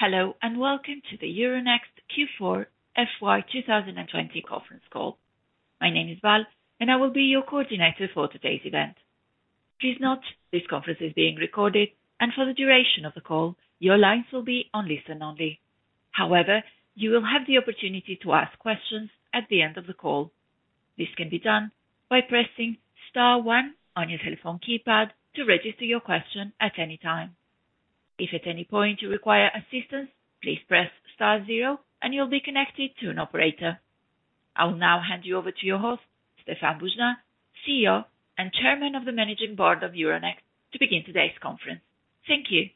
Hello, welcome to the Euronext Q4 FY 2020 conference call. My name is Val, and I will be your coordinator for today's event. Please note, this conference is being recorded, and for the duration of the call, your lines will be on listen only. However, you will have the opportunity to ask questions at the end of the call. This can be done by pressing star one on your telephone keypad to register your question at any time. If at any point you require assistance, please press star zero and you'll be connected to an operator. I will now hand you over to your host, Stéphane Boujnah, CEO and Chairman of the Managing Board of Euronext, to begin today's conference. Thank you.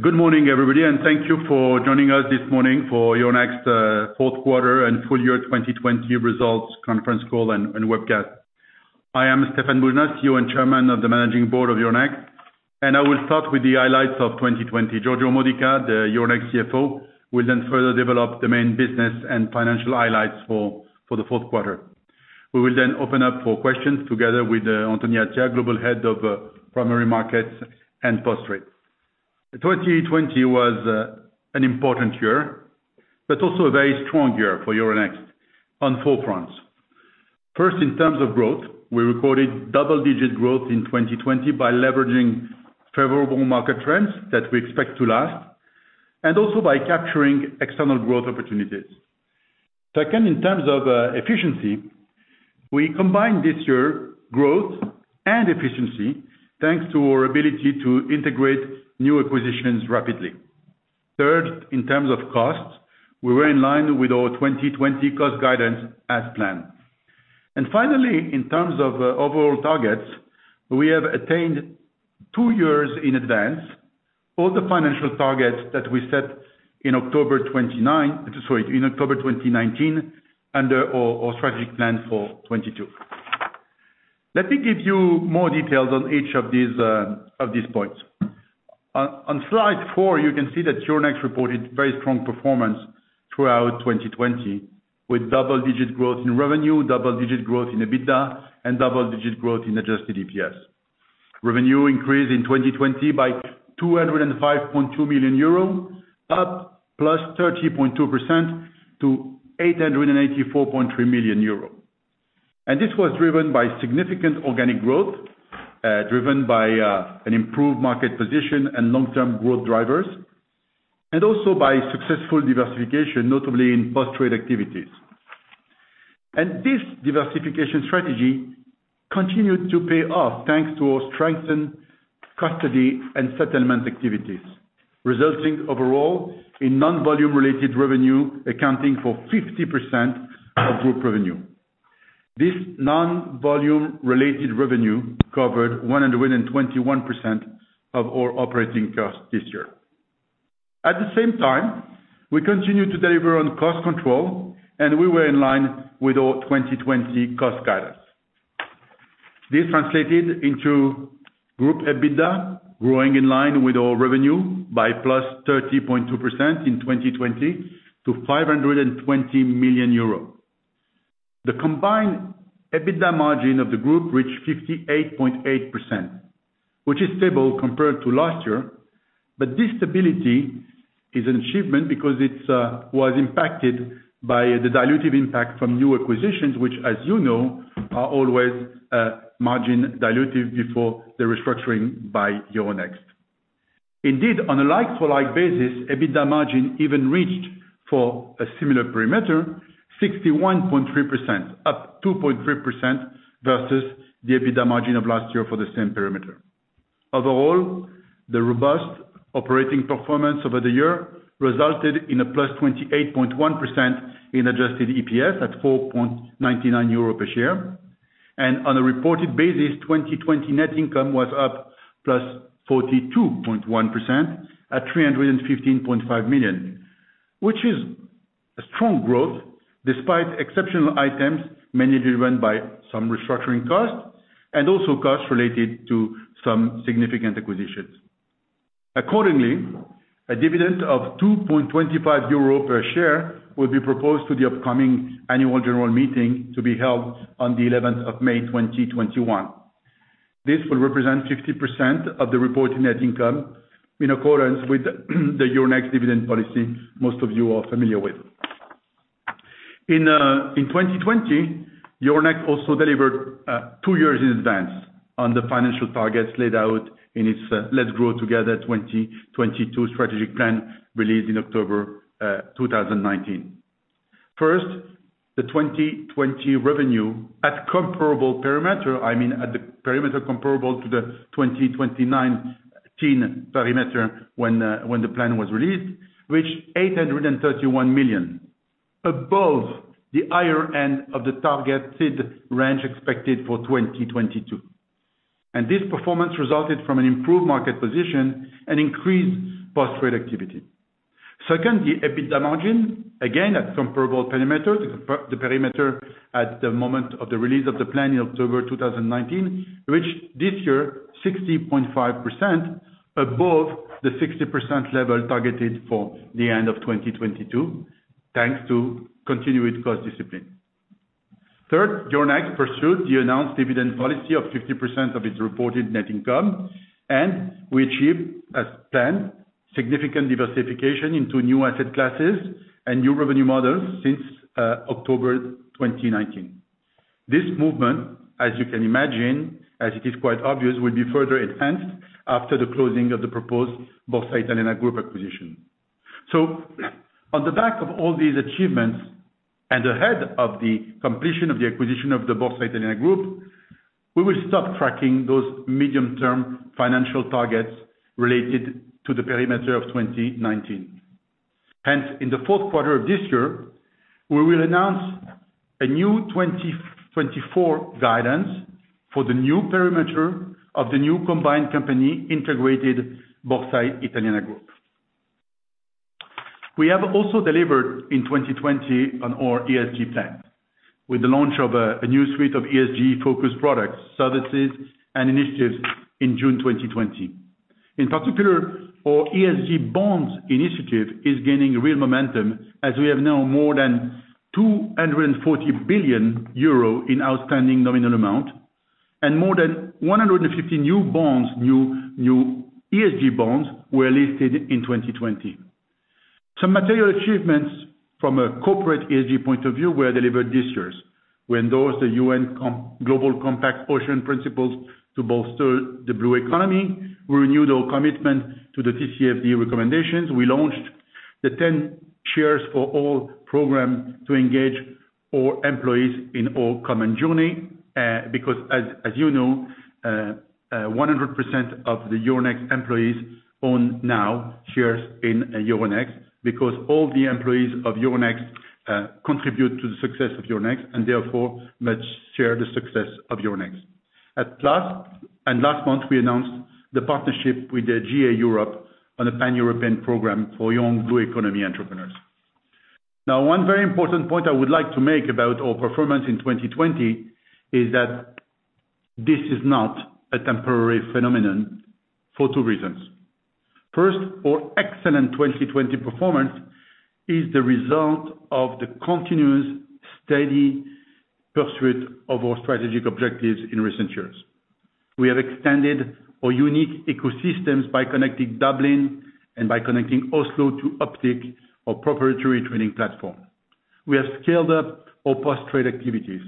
Good morning, everybody, thank you for joining us this morning for Euronext fourth quarter and full year 2020 results conference call and webcast. I am Stéphane Boujnah, CEO and Chairman of the Managing Board of Euronext. I will start with the highlights of 2020. Giorgio Modica, the Euronext CFO, will further develop the main business and financial highlights for the fourth quarter. We will open up for questions together with Anthony Attia, Global Head of Primary Markets and Post Trade. 2020 was an important year, also a very strong year for Euronext on four fronts. First, in terms of growth, we recorded double-digit growth in 2020 by leveraging favorable market trends that we expect to last, also by capturing external growth opportunities. Second, in terms of efficiency, we combined this year growth and efficiency, thanks to our ability to integrate new acquisitions rapidly. In terms of costs, we were in line with our 2020 cost guidance as planned. Finally, in terms of overall targets, we have attained two years in advance all the financial targets that we set in October 2019 under our strategic plan for 2022. Let me give you more details on each of these points. On slide four, you can see that Euronext reported very strong performance throughout 2020, with double-digit growth in revenue, double-digit growth in EBITDA, and double-digit growth in adjusted EPS. Revenue increased in 2020 by 205.2 million euros, up 30.2% to 884.3 million euros. This was driven by significant organic growth, driven by an improved market position and long-term growth drivers, and also by successful diversification, notably in post-trade activities. This diversification strategy continued to pay off thanks to our strengthened custody and settlement activities, resulting overall in non-volume related revenue accounting for 50% of group revenue. This non-volume related revenue covered 121% of our operating costs this year. At the same time, we continued to deliver on cost control, and we were in line with our 2020 cost guidance. This translated into group EBITDA growing in line with our revenue by +30.2% in 2020 to 520 million euros. The combined EBITDA margin of the group reached 58.8%, which is stable compared to last year. This stability is an achievement because it was impacted by the dilutive impact from new acquisitions, which as you know, are always margin dilutive before they're restructuring by Euronext. Indeed, on a like-to-like basis, EBITDA margin even reached, for a similar perimeter, 61.3%, up 2.3% versus the EBITDA margin of last year for the same perimeter. Overall, the robust operating performance over the year resulted in a +28.1% in adjusted EPS at 4.99 euro a share. On a reported basis, 2020 net income was up +42.1% at 315.5 million, which is a strong growth despite exceptional items mainly driven by some restructuring costs and also costs related to some significant acquisitions. Accordingly, a dividend of 2.25 euro per share will be proposed to the upcoming annual general meeting to be held on the 11th of May 2021. This will represent 50% of the reported net income in accordance with the Euronext dividend policy most of you are familiar with. In 2020, Euronext also delivered two years in advance on the financial targets laid out in its Let's Grow Together 2022 strategic plan released in October 2019. First, the 2020 revenue at comparable perimeter, I mean at the perimeter comparable to the 2019 perimeter when the plan was released, reached 831 million, above the higher end of the targeted range expected for 2022. And this performance resulted from an improved market position and increased post-trade activity. Second, the EBITDA margin, again at comparable perimeter, the perimeter at the moment of the release of the plan in October 2019, reached this year 60.5%, above the 60% level targeted for the end of 2022, thanks to continued cost discipline. Third, Euronext pursued the announced dividend policy of 50% of its reported net income, and we achieved, as planned, significant diversification into new asset classes and new revenue models since October 2019. This movement, as you can imagine, as it is quite obvious, will be further enhanced after the closing of the proposed Borsa Italiana Group acquisition. On the back of all these achievements, and ahead of the completion of the acquisition of the Borsa Italiana Group, we will stop tracking those medium-term financial targets related to the perimeter of 2019. In the fourth quarter of this year, we will announce a new 2024 guidance for the new perimeter of the new combined company integrated Borsa Italiana Group. We have also delivered in 2020 on our ESG plan, with the launch of a new suite of ESG-focused products, services, and initiatives in June 2020. In particular, our ESG bonds initiative is gaining real momentum as we have now more than 240 billion euro in outstanding nominal amount and more than 150 new ESG bonds were listed in 2020. Some material achievements from a corporate ESG point of view were delivered this year. We endorsed the UN Global Compact Ocean Principles to bolster the blue economy. We renewed our commitment to the TCFD recommendations. We launched the 10 Shares For All program to engage our employees in our common journey. As you know, 100% of the Euronext employees own now shares in Euronext, because all the employees of Euronext contribute to the success of Euronext and therefore must share the success of Euronext. Last month, we announced the partnership with JA Europe on a pan-European program for young blue economy entrepreneurs. One very important point I would like to make about our performance in 2020 is that this is not a temporary phenomenon for two reasons. First, our excellent 2020 performance is the result of the continuous, steady pursuit of our strategic objectives in recent years. We have extended our unique ecosystems by connecting Dublin and by connecting Oslo to Optiq, our proprietary trading platform. We have scaled up our post-trade activities.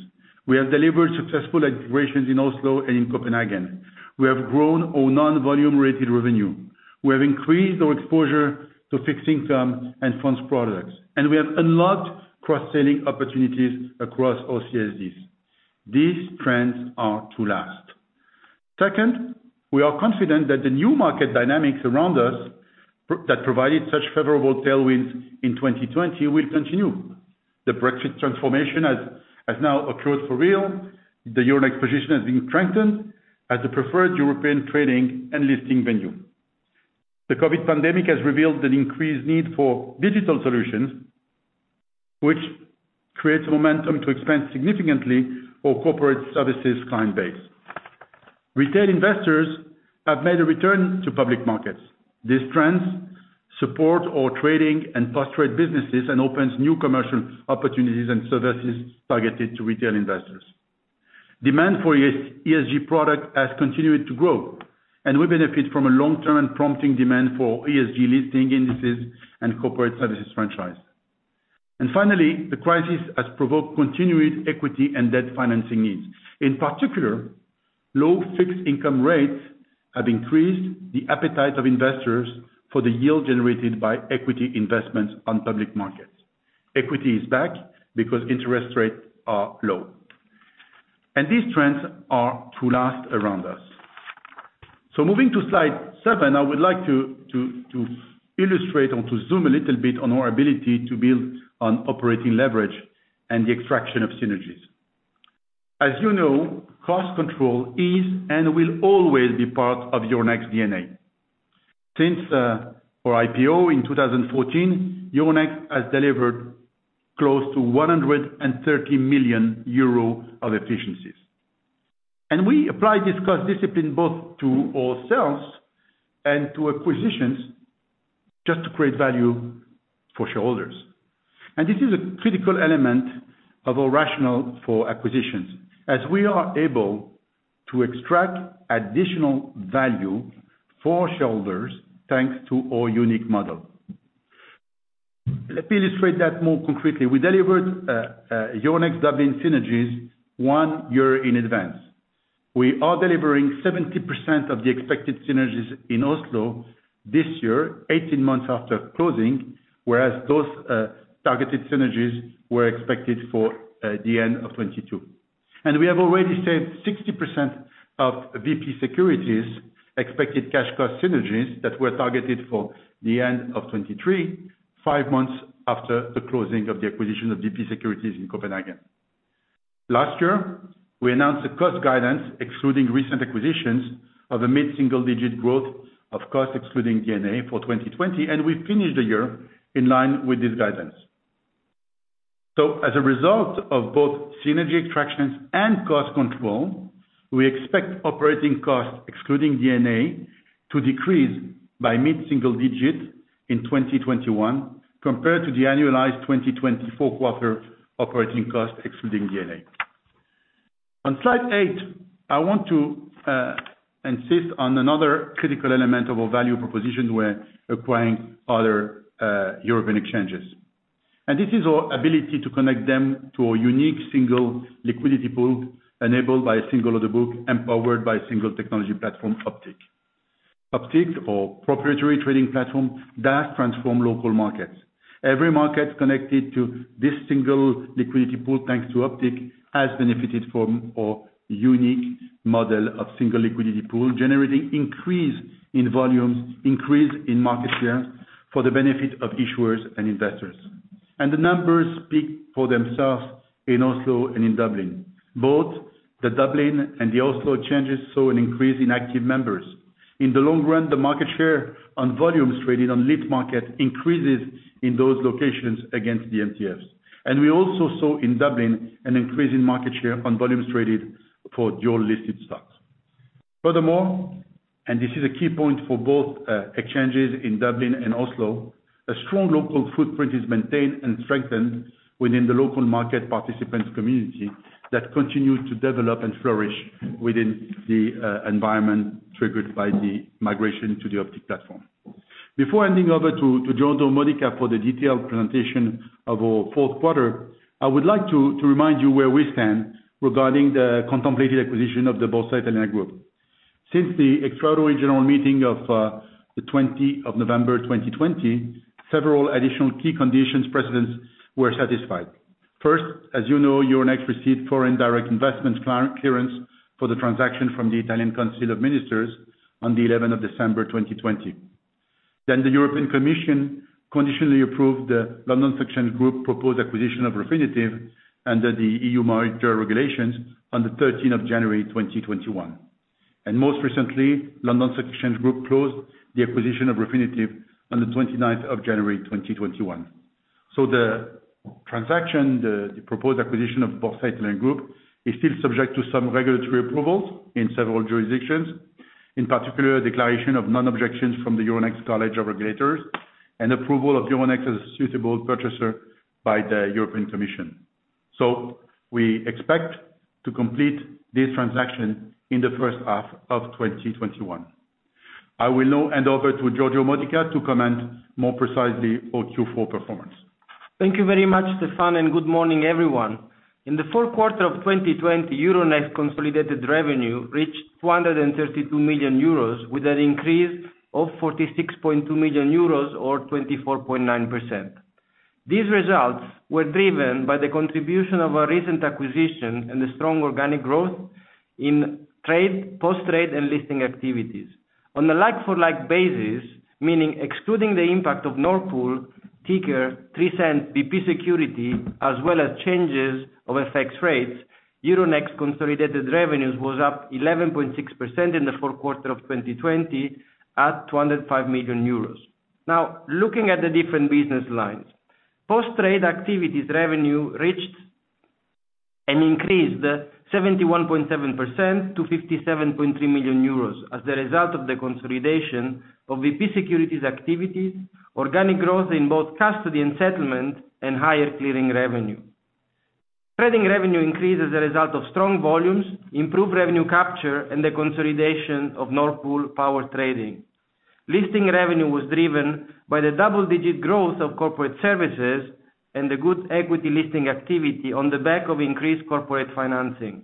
We have delivered successful acquisitions in Oslo and in Copenhagen. We have grown our non-volume related revenue. We have increased our exposure to fixed income and funds products. We have unlocked cross-selling opportunities across our CSDs. These trends are to last. Second, we are confident that the new market dynamics around us that provided such favorable tailwinds in 2020 will continue. The Brexit transformation has now occurred for real. The Euronext position has been strengthened as a preferred European trading and listing venue. The COVID pandemic has revealed an increased need for digital solutions, which creates momentum to expand significantly our corporate services client base. Retail investors have made a return to public markets. These trends support our trading and post-trade businesses and opens new commercial opportunities and services targeted to retail investors. Demand for ESG product has continued to grow, and we benefit from a long-term prompting demand for ESG listing indices and corporate services franchise. Finally, the crisis has provoked continued equity and debt financing needs. In particular, low fixed income rates have increased the appetite of investors for the yield generated by equity investments on public markets. Equity is back because interest rates are low. These trends are to last around us. Moving to slide seven, I would like to illustrate or to zoom a little bit on our ability to build on operating leverage and the extraction of synergies. As you know, cost control is and will always be part of Euronext DNA. Since our IPO in 2014, Euronext has delivered close to 130 million euro of efficiencies. We apply this cost discipline both to ourselves and to acquisitions just to create value for shareholders. This is a critical element of our rationale for acquisitions, as we are able to extract additional value for shareholders, thanks to our unique model. Let me illustrate that more concretely. We delivered Euronext Dublin synergies one year in advance. We are delivering 70% of the expected synergies in Oslo this year, 18 months after closing, whereas those targeted synergies were expected for the end of 2022. We have already saved 60% of VP Securities' expected cash cost synergies that were targeted for the end of 2023, five months after the closing of the acquisition of VP Securities in Copenhagen. Last year, we announced a cost guidance, excluding recent acquisitions, of a mid-single-digit growth of cost, excluding D&A, for 2020, and we finished the year in line with this guidance. As a result of both synergy extractions and cost control. We expect operating costs, excluding D&A, to decrease by mid-single digits in 2021 compared to the annualized 2020 full quarter operating costs excluding D&A. Slide eight, I want to insist on another critical element of our value proposition when acquiring other European exchanges. This is our ability to connect them to our unique single liquidity pool enabled by a single order book, empowered by a single technology platform, Optiq. Optiq, our proprietary trading platform, does transform local markets. Every market connected to this single liquidity pool, thanks to Optiq, has benefited from our unique model of single liquidity pool, generating increase in volumes, increase in market share for the benefit of issuers and investors. The numbers speak for themselves in Oslo and in Dublin. Both the Dublin and the Oslo exchanges saw an increase in active members. In the long run, the market share on volumes traded on lit market increases in those locations against the MTFs. We also saw in Dublin an increase in market share on volumes traded for dual-listed stocks. Furthermore, this is a key point for both exchanges in Dublin and Oslo, a strong local footprint is maintained and strengthened within the local market participants community that continue to develop and flourish within the environment triggered by the migration to the Optiq platform. Before handing over to Giorgio Modica for the detailed presentation of our fourth quarter, I would like to remind you where we stand regarding the contemplated acquisition of the Borsa Italiana Group. Since the extraordinary general meeting of the 20 of November 2020, several additional key conditions precedents were satisfied. First, as you know, Euronext received foreign direct investment clearance for the transaction from the Italian Council of Ministers on the 11 of December 2020. The European Commission conditionally approved the London Stock Exchange Group proposed acquisition of Refinitiv under the EU Merger Regulation on the 13 of January 2021. Most recently, London Stock Exchange Group closed the acquisition of Refinitiv on the 29th of January 2021. The transaction, the proposed acquisition of Borsa Italiana Group, is still subject to some regulatory approvals in several jurisdictions. In particular, declaration of non-objections from the Euronext College of Regulators and approval of Euronext as a suitable purchaser by the European Commission. We expect to complete this transaction in the first half of 2021. I will now hand over to Giorgio Modica to comment more precisely on Q4 performance. Thank you very much, Stéphane, and good morning, everyone. In the fourth quarter of 2020, Euronext consolidated revenue reached 232 million euros, with an increase of 46.2 million euros, or 24.9%. These results were driven by the contribution of our recent acquisition and the strong organic growth in trade, post-trade, and listing activities. On a like-for-like basis, meaning excluding the impact of Nord Pool, Tikehau Capital, Trecento Asset Management, VP Securities, as well as changes of FX rates, Euronext consolidated revenues was up 11.6% in the fourth quarter of 2020 at 205 million euros. Now, looking at the different business lines. Post-trade activities revenue reached an increase, 71.7% to 57.3 million euros as the result of the consolidation of VP Securities activities, organic growth in both custody and settlement, and higher clearing revenue. Trading revenue increased as a result of strong volumes, improved revenue capture, and the consolidation of Nord Pool power trading. Listing revenue was driven by the double-digit growth of corporate services and the good equity listing activity on the back of increased corporate financing.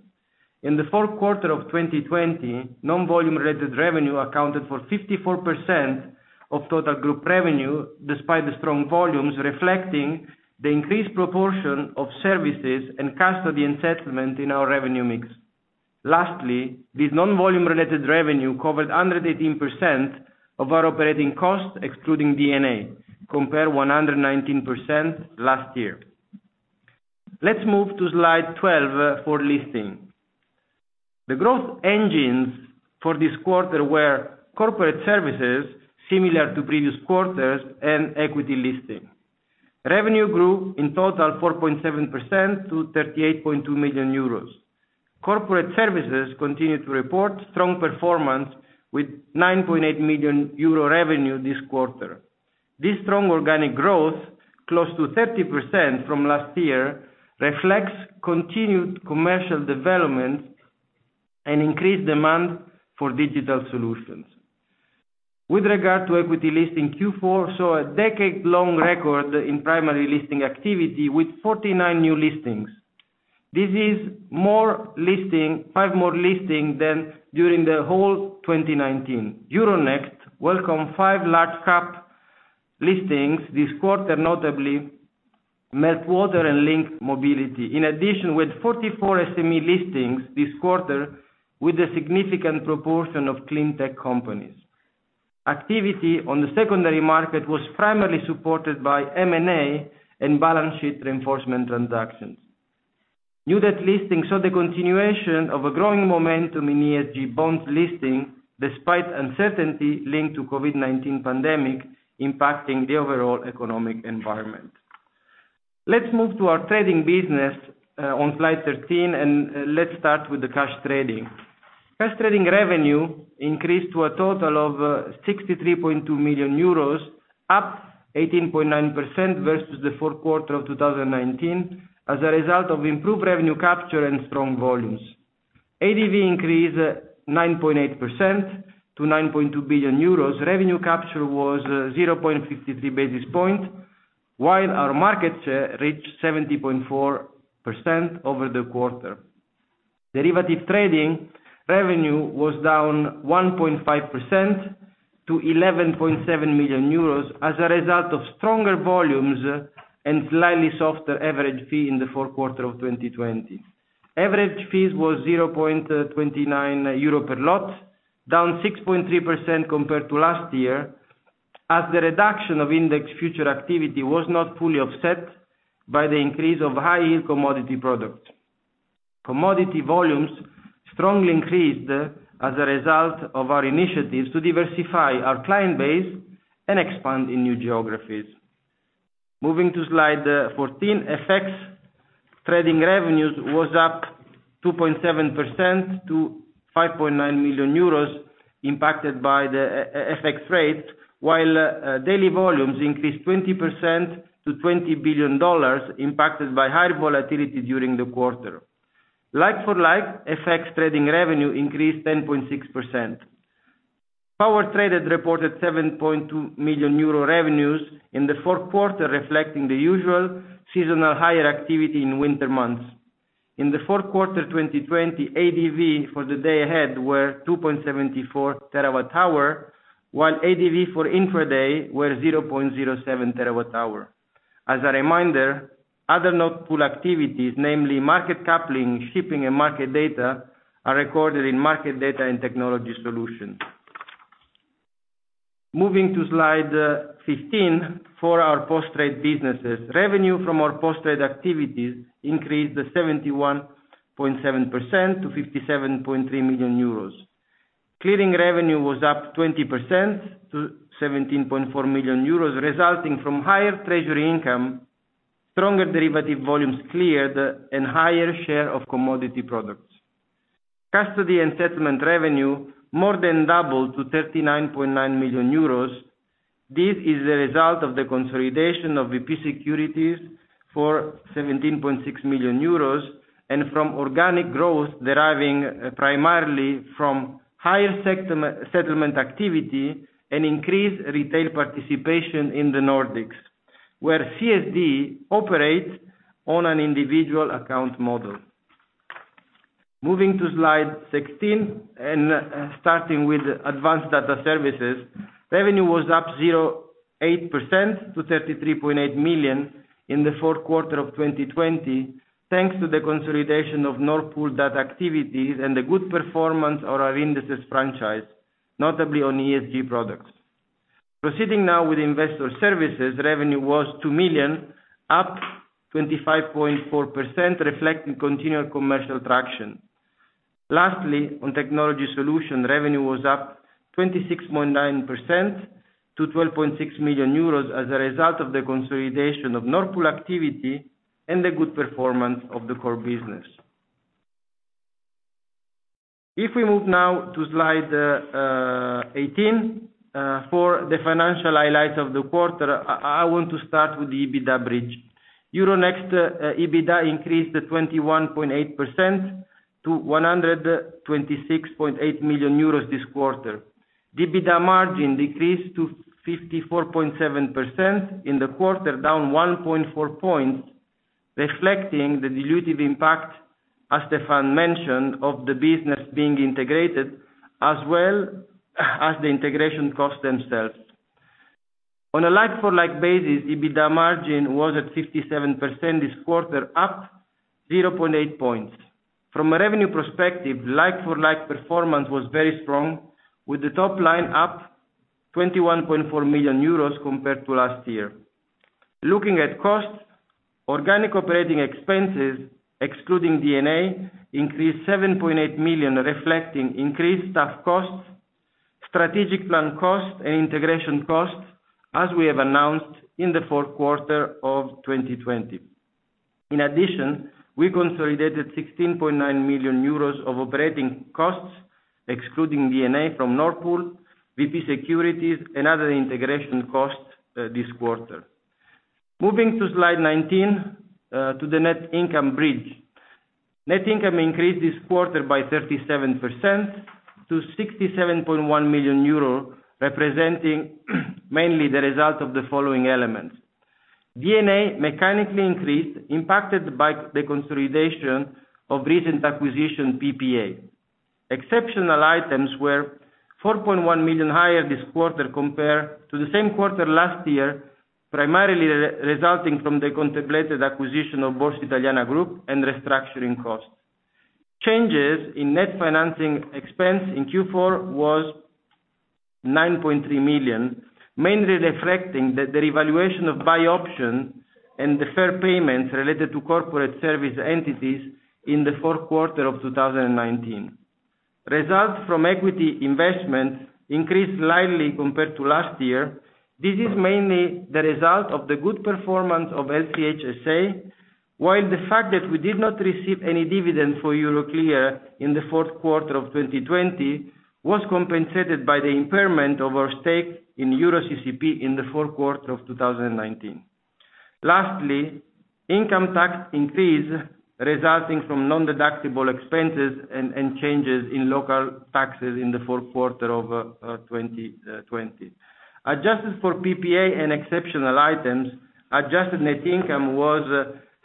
In the fourth quarter of 2020, non-volume-related revenue accounted for 54% of total group revenue, despite the strong volumes reflecting the increased proportion of services and custody and settlement in our revenue mix. Lastly, this non-volume-related revenue covered 118% of our operating costs excluding D&A, compared 119% last year. Let's move to slide 12 for listing. The growth engines for this quarter were corporate services, similar to previous quarters, and equity listing. Revenue grew in total 4.7% to 38.2 million euros. Corporate services continued to report strong performance with 9.8 million euro revenue this quarter. This strong organic growth, close to 30% from last year, reflects continued commercial development and increased demand for digital solutions. With regard to equity listing, Q4 saw a decade-long record in primary listing activity with 49 new listings. This is five more listings than during the whole 2019. Euronext welcomed five large cap listings this quarter, notably Meltwater and LINK Mobility. In addition, we had 44 SME listings this quarter with a significant proportion of clean tech companies. Activity on the secondary market was primarily supported by M&A and balance sheet reinforcement transactions. New debt listings saw the continuation of a growing momentum in ESG bond listing, despite uncertainty linked to COVID-19 pandemic impacting the overall economic environment. Let's move to our trading business on slide 13. Let's start with the cash trading. Cash trading revenue increased to a total of 63.2 million euros, up 18.9% versus the fourth quarter of 2019, as a result of improved revenue capture and strong volumes. ADV increased 9.8% to 9.2 billion euros. Revenue capture was 0.53 basis point, while our markets reached 70.4% over the quarter. Derivative trading revenue was down 1.5% to 11.7 million euros as a result of stronger volumes and slightly softer average fee in the fourth quarter of 2020. Average fees was 0.29 euro per lot, down 6.3% compared to last year, as the reduction of index future activity was not fully offset by the increase of high-yield commodity product. Commodity volumes strongly increased as a result of our initiatives to diversify our client base and expand in new geographies. Moving to slide 14, FX trading revenues was up 2.7% to 5.9 million euros, impacted by the FX rates, while daily volumes increased 20% to $20 billion, impacted by higher volatility during the quarter. Like-for-like, FX trading revenue increased 10.6%. Power traded reported 7.2 million euro revenues in the fourth quarter, reflecting the usual seasonal higher activity in winter months. In the fourth quarter 2020, ADV for the day ahead were 2.74 TWh, while ADV for intraday were 0.07 TWh. As a reminder, other Nord Pool activities, namely market coupling, shipping, and market data, are recorded in market data and technology solutions. Moving to slide 15 for our post-trade businesses. Revenue from our post-trade activities increased 71.7% to 57.3 million euros. Clearing revenue was up 20% to 17.4 million euros, resulting from higher treasury income, stronger derivative volumes cleared, and higher share of commodity products. Custody and settlement revenue more than doubled to 39.9 million euros. This is a result of the consolidation of VP Securities for 17.6 million euros and from organic growth deriving primarily from higher settlement activity and increased retail participation in the Nordics, where CSD operates on an individual account model. Moving to slide 16, and starting with Advanced Data Services, revenue was up 8% to 33.8 million in the fourth quarter of 2020, thanks to the consolidation of Nord Pool data activities and the good performance of our indices franchise, notably on ESG products. Proceeding now with Investor Services, revenue was 2 million, up 25.4%, reflecting continued commercial traction. Lastly, on Technology Solution, revenue was up 26.9% to 12.6 million euros as a result of the consolidation of Nord Pool activity and the good performance of the core business. If we move now to slide 18, for the financial highlights of the quarter, I want to start with the EBITDA bridge. Euronext EBITDA increased 21.8% to 126.8 million euros this quarter. The EBITDA margin decreased to 54.7% in the quarter, down 1.4 points, reflecting the dilutive impact, as Stéphane mentioned, of the business being integrated, as well as the integration costs themselves. On a like-for-like basis, EBITDA margin was at 57% this quarter, up 0.8 points. From a revenue perspective, like-for-like performance was very strong, with the top line up 21.4 million euros compared to last year. Looking at costs, organic operating expenses, excluding D&A, increased 7.8 million, reflecting increased staff costs, strategic plan costs, and integration costs, as we have announced in the fourth quarter of 2020. In addition, we consolidated 16.9 million euros of operating costs, excluding D&A from Nord Pool, VP Securities, and other integration costs this quarter. Moving to slide 19, to the net income bridge. Net income increased this quarter by 37% to 67.1 million euro, representing mainly the result of the following elements. D&A mechanically increased, impacted by the consolidation of recent acquisition PPA. Exceptional items were 4.1 million higher this quarter compared to the same quarter last year, primarily resulting from the contemplated acquisition of Borsa Italiana Group and restructuring costs. Changes in net financing expense in Q4 was 9.3 million, mainly reflecting the revaluation of buy option and deferred payments related to corporate service entities in the fourth quarter of 2019. Results from equity investments increased slightly compared to last year. This is mainly the result of the good performance of LCH SA, while the fact that we did not receive any dividend for Euroclear in the fourth quarter of 2020 was compensated by the impairment of our stake in EuroCCP in the fourth quarter of 2019. Income tax increase resulting from non-deductible expenses and changes in local taxes in the fourth quarter of 2020. Adjusted for PPA and exceptional items, adjusted net income was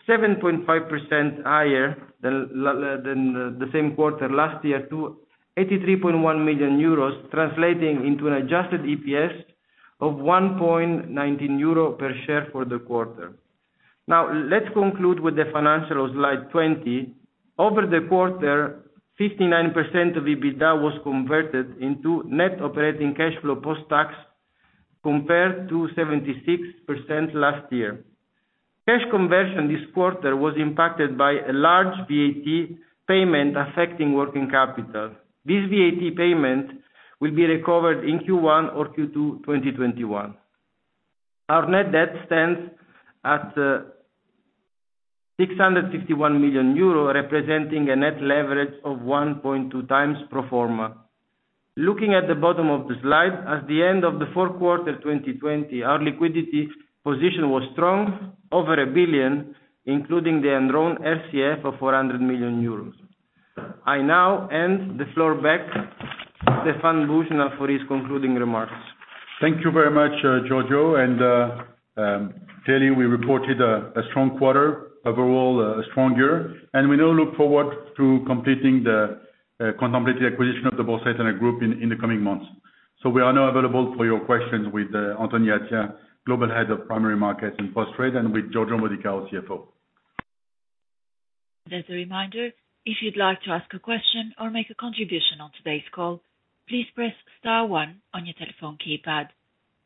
7.5% higher than the same quarter last year to 83.1 million euros, translating into an adjusted EPS of 1.19 euro per share for the quarter. Let's conclude with the financial slide 20. Over the quarter, 59% of EBITDA was converted into net operating cash flow post-tax, compared to 76% last year. Cash conversion this quarter was impacted by a large VAT payment affecting working capital. This VAT payment will be recovered in Q1 or Q2 2021. Our net debt stands at 651 million euro, representing a net leverage of 1.2x pro forma. Looking at the bottom of the slide, at the end of the fourth quarter 2020, our liquidity position was strong, over 1 billion, including the undrawn RCF of 400 million euros. I now hand the floor back to Stéphane Boujnah for his concluding remarks. Thank you very much, Giorgio. Clearly, we reported a strong quarter, overall a strong year, and we now look forward to completing the contemplated acquisition of the Borsa Italiana Group in the coming months. We are now available for your questions with Anthony Attia, Global Head of Primary Markets and Post Trade, and with Giorgio Modica, our CFO. As a reminder, if you'd like to ask a question or make a contribution on today's call, please press star one on your telephone keypad.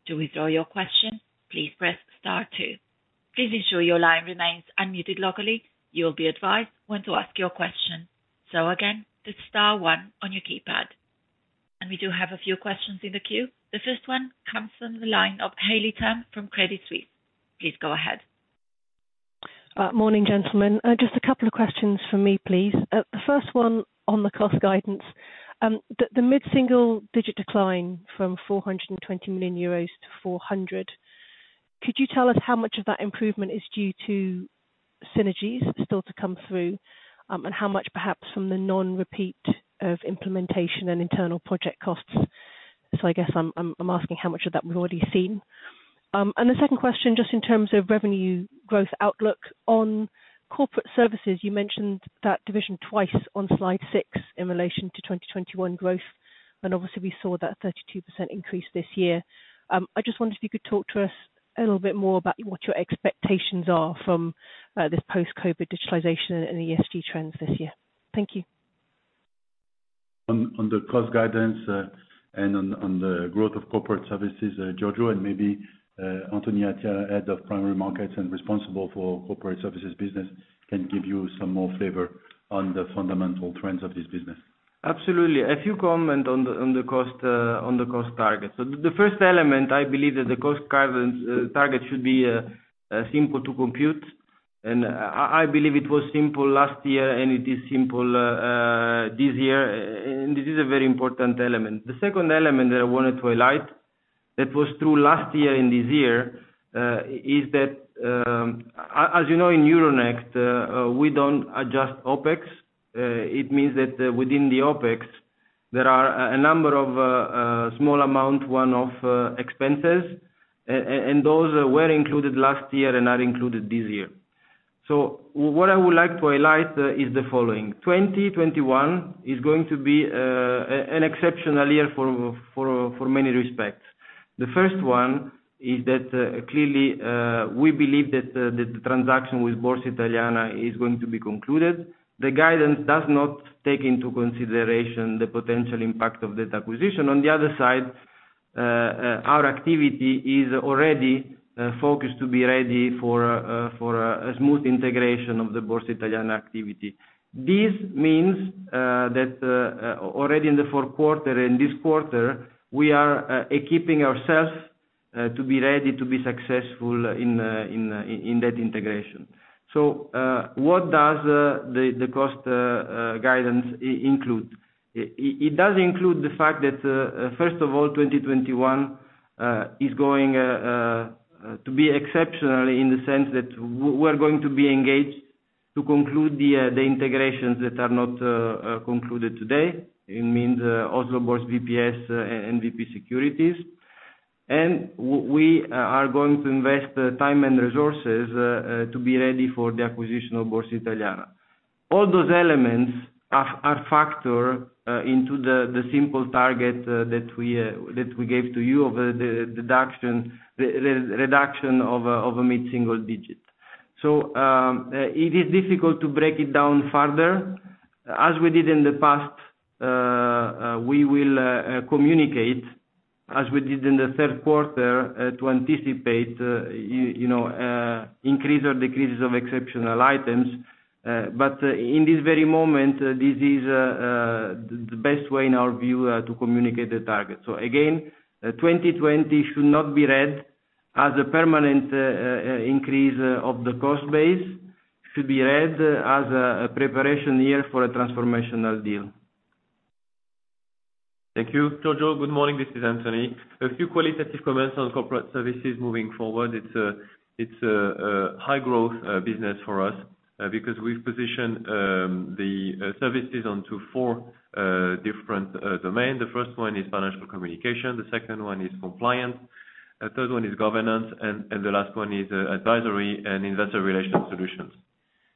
To withdraw your question, please press star two. Please ensure your line remains unmuted locally. You will be advised when to ask your question. Again, it's star one on your keypad. We do have a few questions in the queue. The first one comes from the line of Haley Tam from Credit Suisse. Please go ahead. Morning, gentlemen. Just a couple of questions from me, please. The first one on the cost guidance. The mid-single digit decline from 420 million euros to 400 million, could you tell us how much of that improvement is due to synergies still to come through, and how much perhaps from the non-repeat of implementation and internal project costs? I guess I'm asking how much of that we've already seen. The second question, just in terms of revenue growth outlook on Corporate Services, you mentioned that division twice on slide six in relation to 2021 growth, and obviously, we saw that 32% increase this year. I just wondered if you could talk to us a little bit more about what your expectations are from this post-COVID digitalization and ESG trends this year. Thank you. On the cost guidance and on the growth of corporate services, Giorgio, and maybe Anthony Attia, Head of Primary Markets and responsible for corporate services business, can give you some more flavor on the fundamental trends of this business. Absolutely. A few comments on the cost target. The first element, I believe that the cost target should be simple to compute, and I believe it was simple last year and it is simple this year, and it is a very important element. The second element that I wanted to highlight that was true last year and this year, is that, as you know, in Euronext, we don't adjust OpEx. It means that within the OpEx, there are a number of small-amount one-off expenses, and those were included last year and are included this year. What I would like to highlight is the following: 2021 is going to be an exceptional year for many respects. The first one is that clearly, we believe that the transaction with Borsa Italiana is going to be concluded. The guidance does not take into consideration the potential impact of this acquisition. On the other side, our activity is already focused to be ready for a smooth integration of the Borsa Italiana activity. This means that already in the fourth quarter and this quarter, we are equipping ourselves to be ready to be successful in that integration. What does the cost guidance include? It does include the fact that, first of all, 2021 is going to be exceptional in the sense that we're going to be engaged to conclude the integrations that are not concluded today. It means Oslo Børs VPS and VP Securities. We are going to invest time and resources to be ready for the acquisition of Borsa Italiana. All those elements are factor into the simple target that we gave to you of the reduction of a mid-single digit. It is difficult to break it down further. As we did in the past, we will communicate as we did in the third quarter, to anticipate increase or decreases of exceptional items. In this very moment, this is the best way, in our view, to communicate the target. Again, 2020 should not be read as a permanent increase of the cost base. It should be read as a preparation year for a transformational deal. Thank you. Giorgio, good morning, this is Anthony. A few qualitative comments on corporate services moving forward. It is a high-growth business for us because we have positioned the services onto four different domains. The first one is financial communication, the second one is compliance, the third one is governance, and the last one is advisory and investor relations solutions.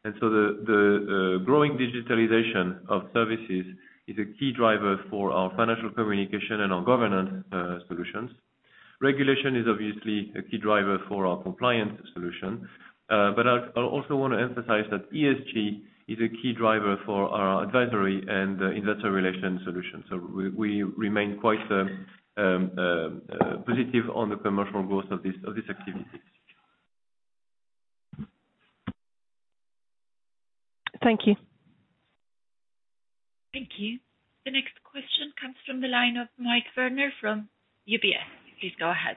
The growing digitalization of services is a key driver for our financial communication and our governance solutions. Regulation is obviously a key driver for our compliance solution. I also want to emphasize that ESG is a key driver for our advisory and investor relation solutions. We remain quite positive on the commercial growth of these activities. Thank you. Thank you. The next question comes from the line of Mike Werner from UBS. Please go ahead.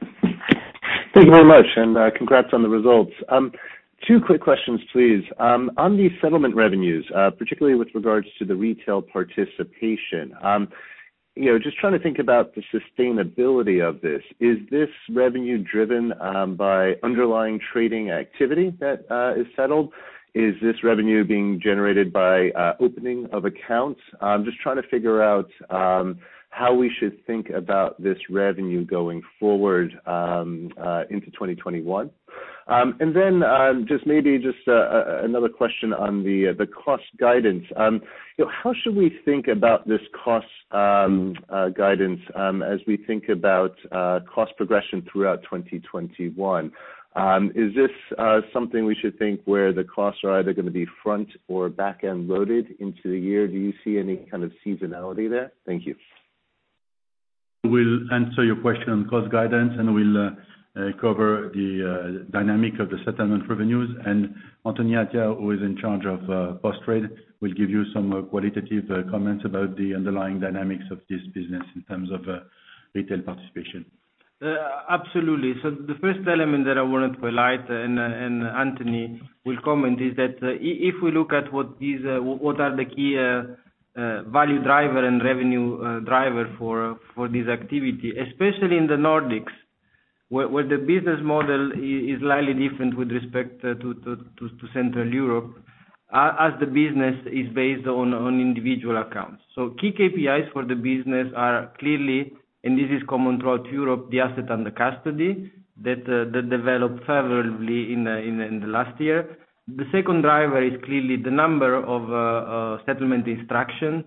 Thank you very much, and congrats on the results. Two quick questions, please. On the settlement revenues, particularly with regards to the retail participation. Just trying to think about the sustainability of this. Is this revenue driven by underlying trading activity that is settled? Is this revenue being generated by opening of accounts? I'm just trying to figure out how we should think about this revenue going forward into 2021. Just maybe another question on the cost guidance. How should we think about this cost guidance as we think about cost progression throughout 2021? Is this something we should think where the costs are either going to be front or back-end loaded into the year? Do you see any kind of seasonality there? Thank you. We'll answer your question on cost guidance, and we'll cover the dynamic of the settlement revenues. Anthony Attia, who is in charge of post-trade, will give you some qualitative comments about the underlying dynamics of this business in terms of retail participation. Absolutely. The first element that I wanted to highlight, and Anthony will comment, is that if we look at what are the key value driver and revenue driver for this activity, especially in the Nordics, where the business model is slightly different with respect to Central Europe, as the business is based on individual accounts. Key KPIs for the business are clearly, and this is common throughout Europe, the asset under custody that developed favorably in the last year. The second driver is clearly the number of settlement instruction.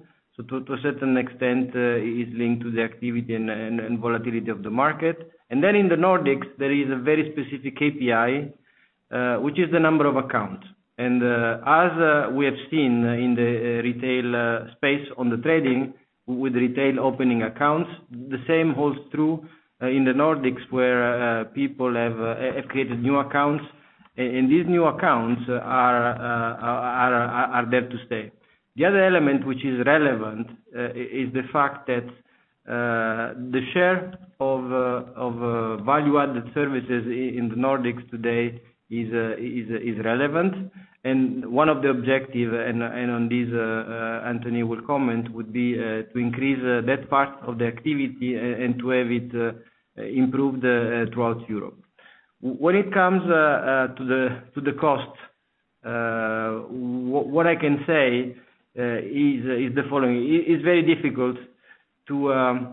To a certain extent, it is linked to the activity and volatility of the market. Then in the Nordics, there is a very specific KPI, which is the number of accounts. As we have seen in the retail space on the trading with retail opening accounts, the same holds true in the Nordics, where people have created new accounts, and these new accounts are there to stay. The other element which is relevant, is the fact that the share of value-added services in the Nordics today is relevant. One of the objective, and on this, Anthony will comment, would be to increase that part of the activity and to have it improved throughout Europe. When it comes to the cost, what I can say is the following. It's very difficult to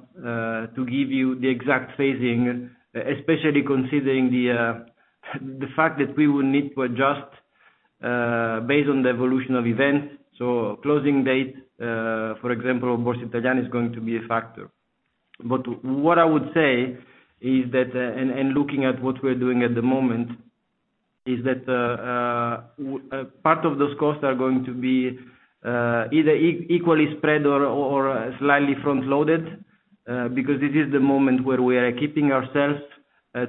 give you the exact phasing, especially considering the fact that we will need to adjust based on the evolution of events. Closing date, for example, Borsa Italiana is going to be a factor. What I would say, and looking at what we're doing at the moment, is that part of those costs are going to be either equally spread or slightly front-loaded, because this is the moment where we are keeping ourselves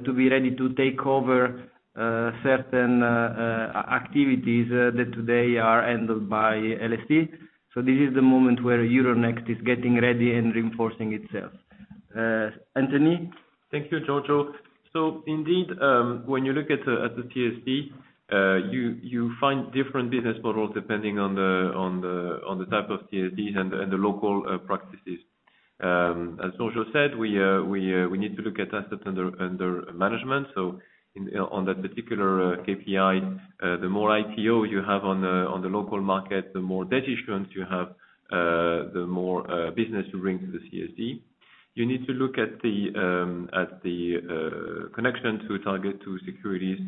to be ready to take over certain activities that today are handled by LSE. This is the moment where Euronext is getting ready and reinforcing itself. Anthony? Thank you, Giorgio. Indeed, when you look at the CSD, you find different business models depending on the type of CSD and the local practices. As Giorgio said, we need to look at assets under management. On that particular KPI, the more IPO you have on the local market, the more debt issuance you have, the more business you bring to the CSD. You need to look at the connection to TARGET2-Securities,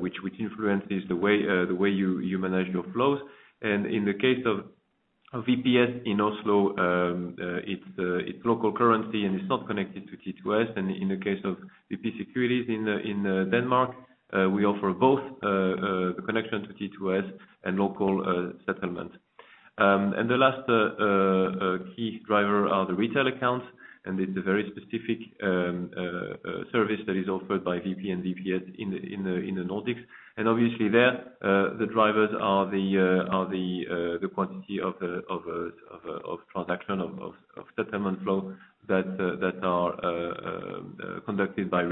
which influences the way you manage your flows. In the case of VPS in Oslo, it's local currency and it's not connected to T2S, and in the case of VP Securities in Denmark, we offer both the connection to T2S and local settlement. The last key driver are the retail accounts, and it's a very specific service that is offered by VP and VPS in the Nordics. Obviously there, the drivers are the quantity of transaction, of settlement flow that are conducted by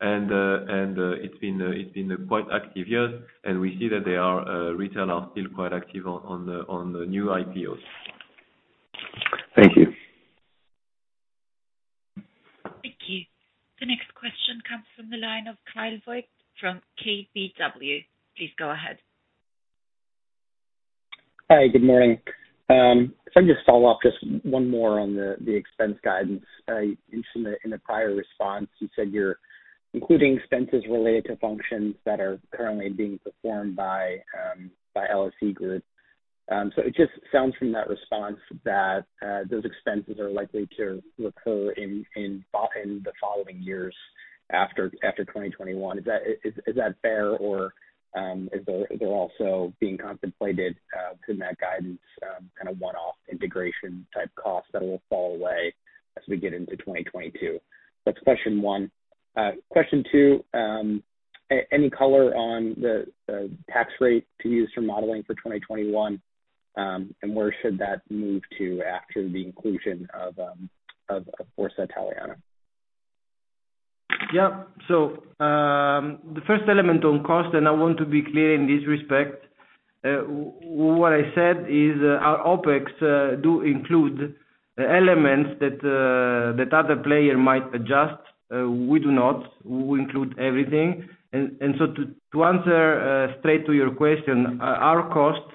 retail. It's been a quite active year, and we see that retail are still quite active on the new IPOs. Thank you. Thank you. The next question comes from the line of Kyle Voigt from KBW. Please go ahead. Hi, good morning. If I can just follow up, just one more on the expense guidance. In a prior response, you said you're including expenses related to functions that are currently being performed by LSE Group. It just sounds from that response that those expenses are likely to recur in the following years after 2021. Is that fair or is there also being contemplated in that guidance, kind of one-off integration type costs that will fall away as we get into 2022? That's question one. Question two, any color on the tax rate to use for modeling for 2021, and where should that move to after the inclusion of Borsa Italiana? Yeah. The first element on cost, and I want to be clear in this respect. What I said is our OpEx do include elements that other player might adjust. We do not. We include everything. To answer straight to your question, our costs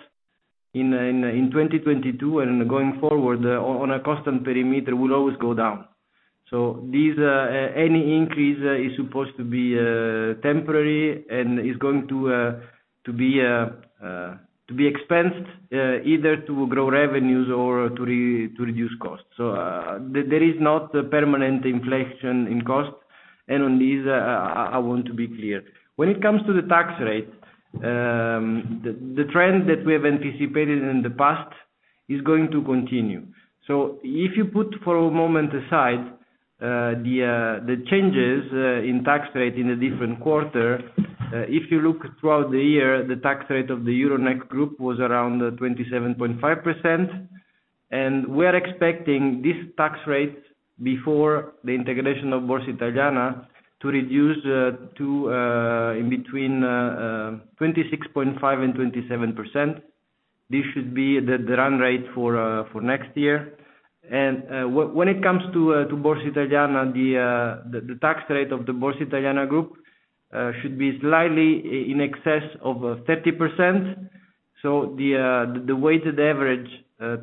in 2022 and going forward on a custom perimeter will always go down. Any increase is supposed to be temporary and is going to be expensed, either to grow revenues or to reduce costs. There is not a permanent inflation in cost. On this, I want to be clear. When it comes to the tax rate, the trend that we have anticipated in the past is going to continue. If you put for a moment aside the changes in tax rate in a different quarter, if you look throughout the year, the tax rate of the Euronext Group was around 27.5%, and we are expecting this tax rate before the integration of Borsa Italiana to reduce to in between 26.5% and 27%. This should be the run rate for next year. When it comes to Borsa Italiana, the tax rate of the Borsa Italiana Group should be slightly in excess of 30%. The weighted average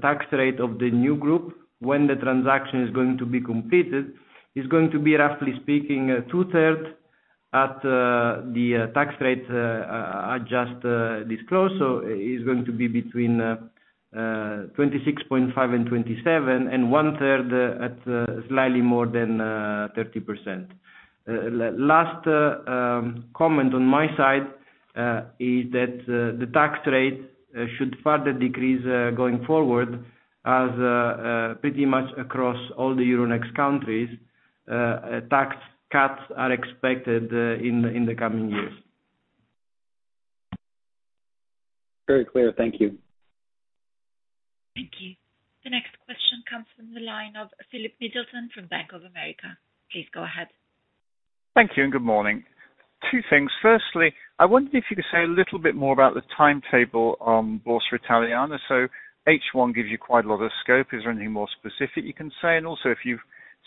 tax rate of the new group when the transaction is going to be completed is going to be, roughly speaking, 2/3 at the tax rate I just disclosed. Is going to be between 26.5% and 27%, and 1/3 at slightly more than 30%. Last comment on my side, is that the tax rate should further decrease going forward as pretty much across all the Euronext countries, tax cuts are expected in the coming years. Very clear. Thank you. Thank you. The next question comes from the line of Philip Middleton from Bank of America. Please go ahead. Thank you. Good morning. Two things. Firstly, I wondered if you could say a little bit more about the timetable on Borsa Italiana. H1 gives you quite a lot of scope. Is there anything more specific you can say? Also if you've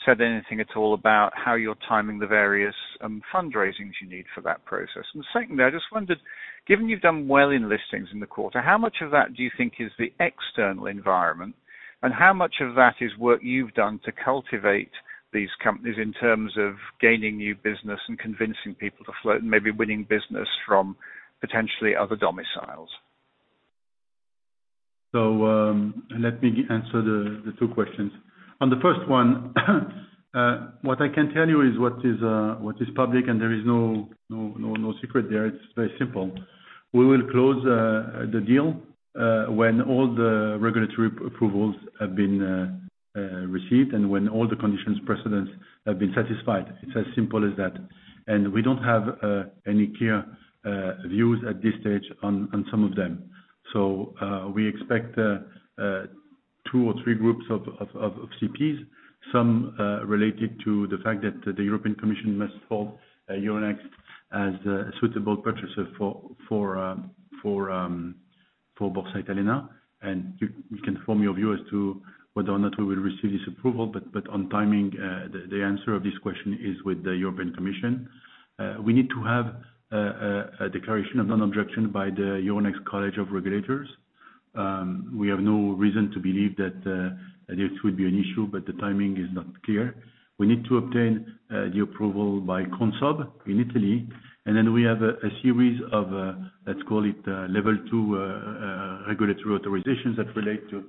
said anything at all about how you're timing the various fundraisings you need for that process. Secondly, I just wondered, given you've done well in listings in the quarter, how much of that do you think is the external environment and how much of that is work you've done to cultivate these companies in terms of gaining new business and convincing people to float and maybe winning business from potentially other domiciles? Let me answer the two questions. On the first one, what I can tell you is what is public and there is no secret there. It's very simple. We will close the deal when all the regulatory approvals have been received and when all the conditions precedents have been satisfied. It's as simple as that. We don't have any clear views at this stage on some of them. We expect two or three groups of CPs, some related to the fact that the European Commission must hold Euronext as a suitable purchaser for Borsa Italiana. You can form your view as to whether or not we will receive this approval. On timing, the answer of this question is with the European Commission. We need to have a declaration of non-objection by the Euronext College of Regulators. We have no reason to believe that this would be an issue. The timing is not clear. We need to obtain the approval by Consob in Italy. We have a series of, let's call it, level 2 regulatory authorizations that relate to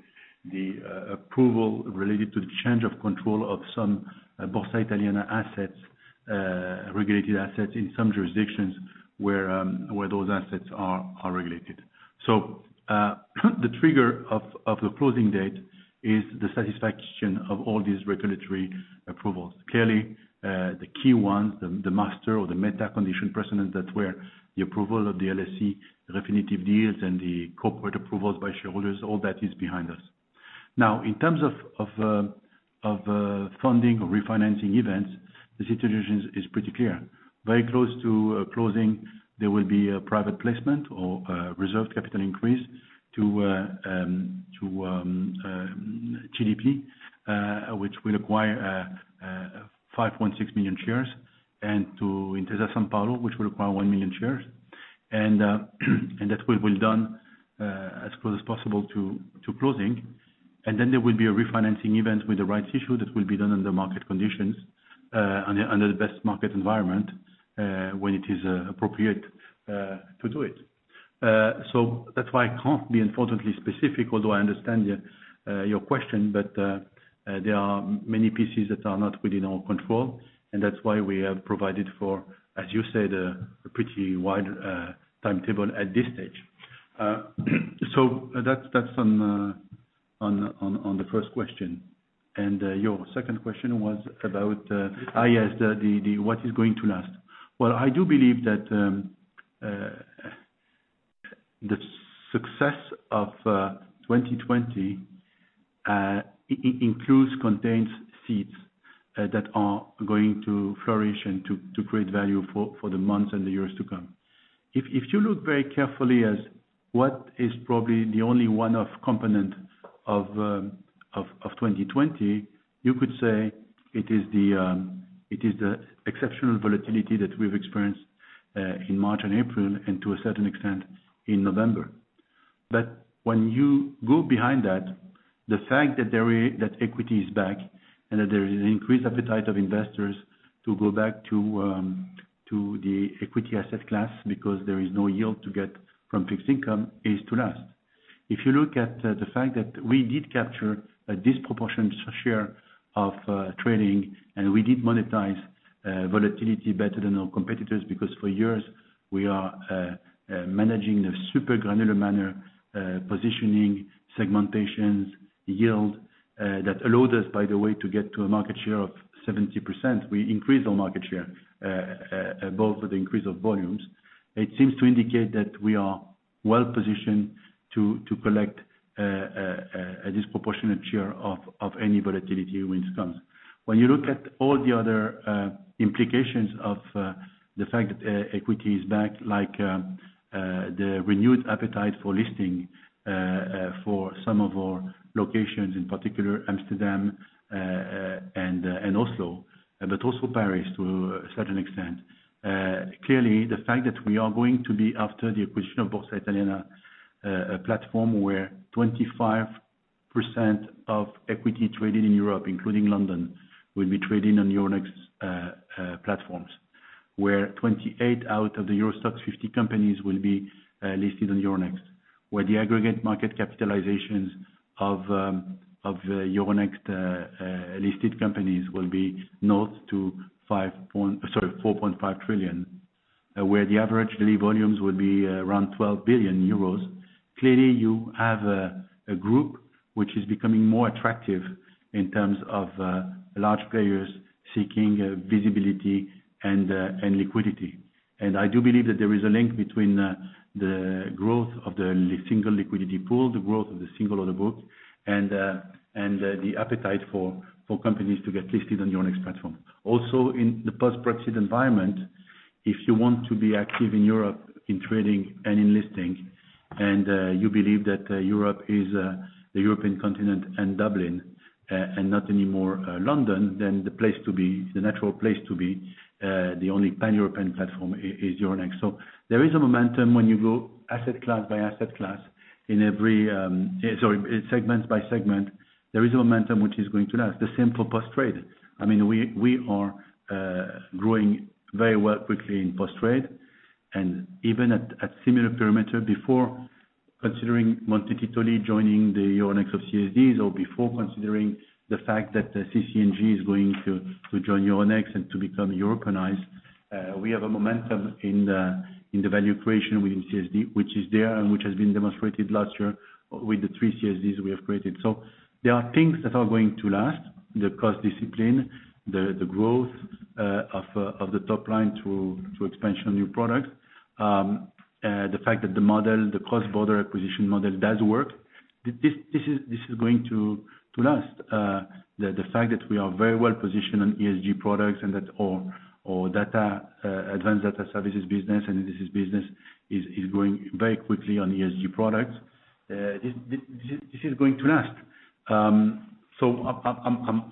the approval related to the change of control of some Borsa Italiana assets. Regulated assets in some jurisdictions where those assets are regulated. The trigger of the closing date is the satisfaction of all these regulatory approvals. Clearly, the key ones, the master or the meta condition precedent, that's where the approval of the LSE definitive deals and the corporate approvals by shareholders, all that is behind us. Now, in terms of funding or refinancing events, the situation is pretty clear. Very close to closing, there will be a private placement or reserve capital increase to CDP, which will acquire 5.6 million shares, and to Intesa Sanpaolo, which will acquire 1 million shares. That will be done as close as possible to closing. Then there will be a refinancing event with the rights issue that will be done under market conditions, under the best market environment, when it is appropriate to do it. That's why I can't be unfortunately specific, although I understand your question, but there are many pieces that are not within our control. That's why we have provided for, as you said, a pretty wide timetable at this stage. That's on the first question. And your second question was about? Ah, yes Is, what is going to last. Well, I do believe that the success of 2020 includes, contains seeds that are going to flourish and to create value for the months and the years to come. If you look very carefully as what is probably the only one-off component of 2020, you could say it is the exceptional volatility that we've experienced in March and April and to a certain extent, in November. When you go behind that, the fact that equity is back and that there is an increased appetite of investors to go back to the equity asset class because there is no yield to get from fixed income, is to last. If you look at the fact that we did capture a disproportionate share of trading, and we did monetize volatility better than our competitors, because for years, we are managing the super granular manner, positioning, segmentations, yield, that allowed us, by the way, to get to a market share of 70%. We increased our market share, both with the increase of volumes. It seems to indicate that we are well-positioned to collect a disproportionate share of any volatility when it comes. When you look at all the other implications of the fact that equity is back, like the renewed appetite for listing for some of our locations, in particular Amsterdam and Oslo, but also Paris to a certain extent. Clearly, the fact that we are going to be after the acquisition of Borsa Italiana, a platform where 25% of equity traded in Europe, including London, will be trading on Euronext platforms, where 28 out of the EURO STOXX 50 companies will be listed on Euronext, where the aggregate market capitalizations of Euronext-listed companies will be north to 4.5 trillion, where the average daily volumes will be around 12 billion euros. Clearly, you have a group which is becoming more attractive in terms of large players seeking visibility and liquidity. I do believe that there is a link between the growth of the single liquidity pool, the growth of the single order book, and the appetite for companies to get listed on Euronext platform. In the post Brexit environment, if you want to be active in Europe in trading and in listing, and you believe that Europe is the European continent and Dublin and not anymore London, the place to be, the natural place to be, the only pan-European platform is Euronext. There is a momentum when you go asset class-by-asset class segment-by-segment, there is a momentum which is going to last. The same for post-trade. I mean, we are growing very well quickly in post-trade, and even at similar perimeter before considering Monte Titoli joining the Euronext CSDs or before considering the fact that the CC&G is going to join Euronext and to become Europeanized. We have a momentum in the value creation within CSD, which is there and which has been demonstrated last year with the three CSDs we have created. There are things that are going to last, the cost discipline, the growth of the top line through expansion of new products. The fact that the model, the cross-border acquisition model does work. This is going to last. The fact that we are very well-positioned on ESG products and that our Advanced Data Services business and indices business is going very quickly on ESG products. This is going to last.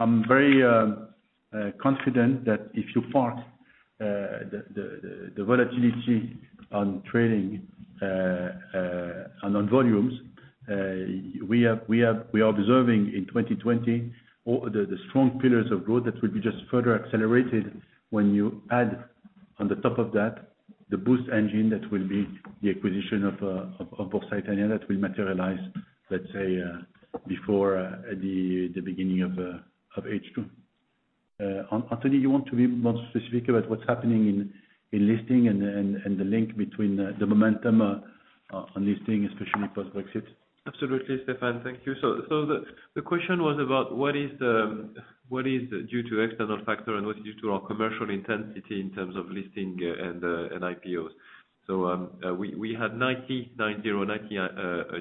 I'm very confident that if you part the volatility on trading and on volumes, we are observing in 2020 the strong pillars of growth that will be just further accelerated when you add on the top of that, the boost engine that will be the acquisition of Borsa Italiana that will materialize, let's say, before the beginning of H2. Anthony, you want to be more specific about what's happening in listing and the link between the momentum on listing, especially post Brexit? Absolutely, Stéphane. Thank you. The question was about what is due to external factor and what is due to our commercial intensity in terms of listing and IPOs. We had 90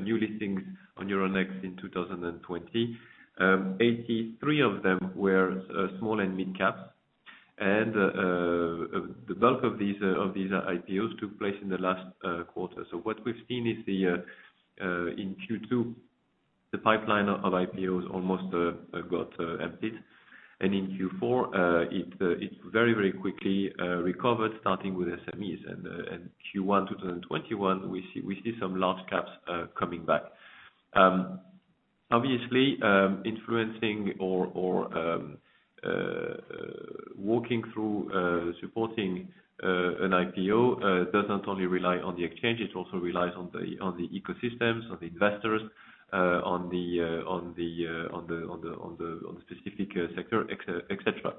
new listings on Euronext in 2020. 83 of them were small and mid-caps. The bulk of these IPOs took place in the last quarter. What we've seen is in Q2, the pipeline of IPOs almost got emptied. In Q4, it very quickly recovered, starting with SMEs. Q1 2021, we see some large caps coming back. Obviously, influencing or working through supporting an IPO doesn't only rely on the exchange, it also relies on the ecosystems, on the investors, on the specific sector, et cetera.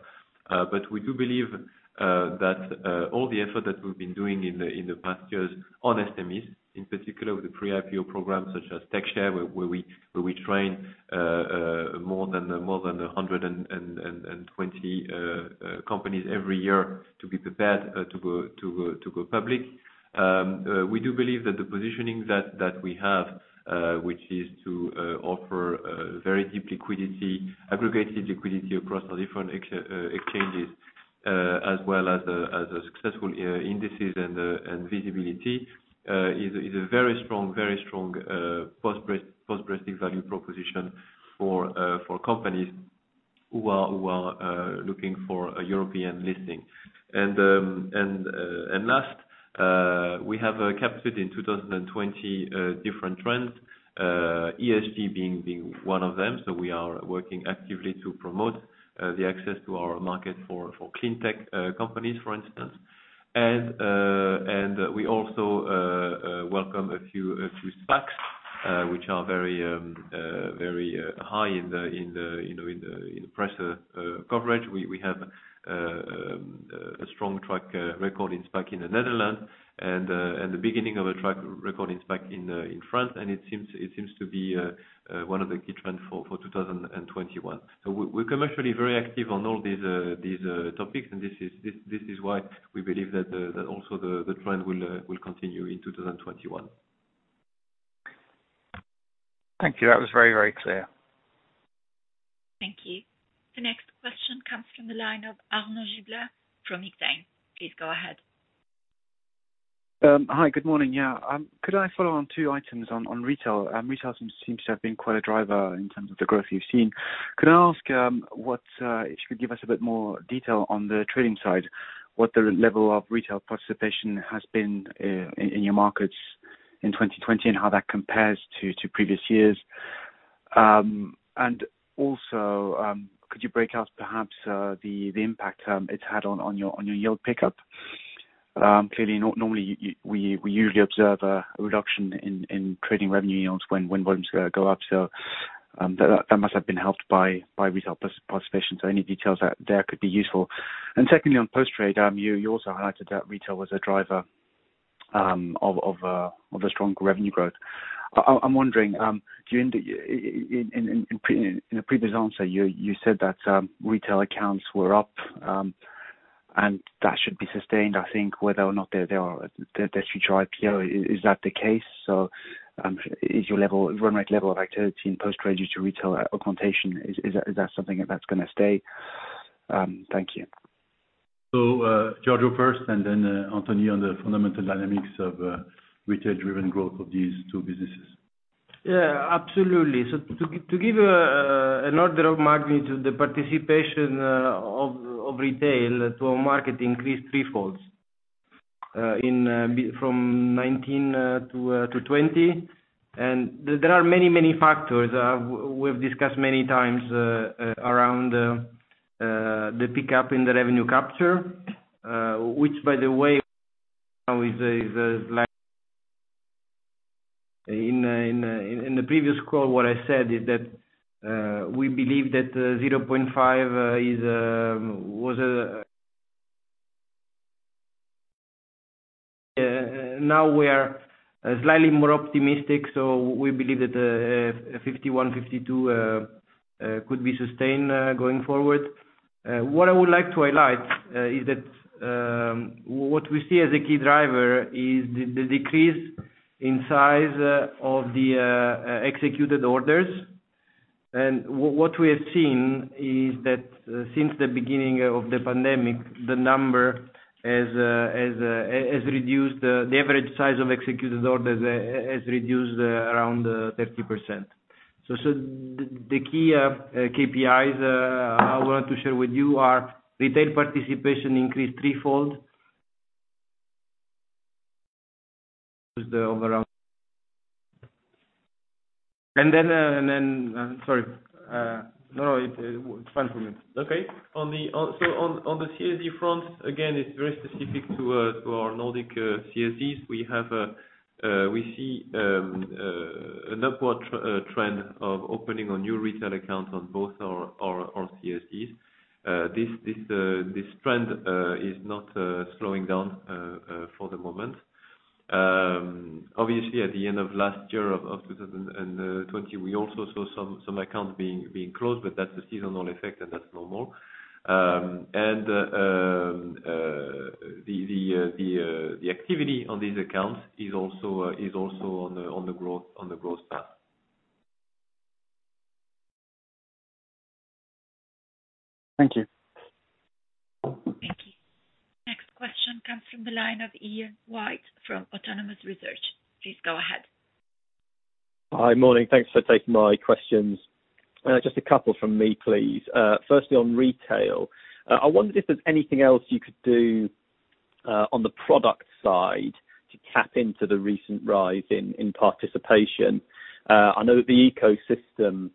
We do believe that all the effort that we've been doing in the past years on SMEs, in particular with the pre-IPO programs such as TechShare, where we train more than 120 companies every year to be prepared to go public. We do believe that the positioning that we have, which is to offer very deep liquidity, aggregated liquidity across our different exchanges, as well as successful indices and visibility is a very strong post Brexit value proposition for companies who are looking for a European listing. Last, we have captured in 2020 different trends, ESG being one of them. We are working actively to promote the access to our market for clean tech companies, for instance. We also welcome a few SPACs which are very high in the press coverage. We have a strong track record in SPAC in the Netherlands and the beginning of a track record in SPAC in France, and it seems to be one of the key trends for 2021. We're commercially very active on all these topics, and this is why we believe that also the trend will continue in 2021. Thank you. That was very clear. Thank you. The next question comes from the line of Arnaud Giblat from Exane. Please go ahead. Hi, good morning. Could I follow on two items on retail? Retail seems to have been quite a driver in terms of the growth you've seen. Could I ask if you could give us a bit more detail on the trading side, what the level of retail participation has been in your markets in 2020 and how that compares to previous years? Also could you break out perhaps the impact it's had on your yield pickup? Clearly, normally, we usually observe a reduction in trading revenue yields when volumes go up, so that must have been helped by retail participation. Any details there could be useful. Secondly, on post-trade, you also highlighted that retail was a driver of a strong revenue growth. I'm wondering, in a previous answer, you said that retail accounts were up, and that should be sustained, I think, whether or not there's future IPO. Is that the case? Is your run rate level of activity in post-trade due to retail augmentation, is that something that's going to stay? Thank you. Giorgio first, and then Anthony on the fundamental dynamics of retail-driven growth of these two businesses. Absolutely. To give an order of magnitude, the participation of retail to our market increased threefold from 2019 to 2020. There are many factors we've discussed many times around the pickup in the revenue capture, which, by the way, now. We are slightly more optimistic, so we believe that 51%, 52% could be sustained going forward. What I would like to highlight is that what we see as a key driver is the decrease in size of the executed orders. What we have seen is that since the beginning of the pandemic, the average size of executed orders has reduced around 30%. The key KPIs I want to share with you are retail participation increased threefold. Just the overall. Sorry. No, it's fine for me. On the CSD front, again, it's very specific to our Nordic CSDs. We see an upward trend of opening of new retail accounts on both our CSDs. This trend is not slowing down for the moment. Obviously, at the end of last year, of 2020, we also saw some accounts being closed, but that's a seasonal effect and that's normal. The activity on these accounts is also on the growth path. Thank you. Thank you. Next question comes from the line of Ian White from Autonomous Research. Please go ahead. Hi. Morning. Thanks for taking my questions. Just a couple from me, please. Firstly, on retail, I wonder if there's anything else you could do on the product side to tap into the recent rise in participation. I know that the ecosystem,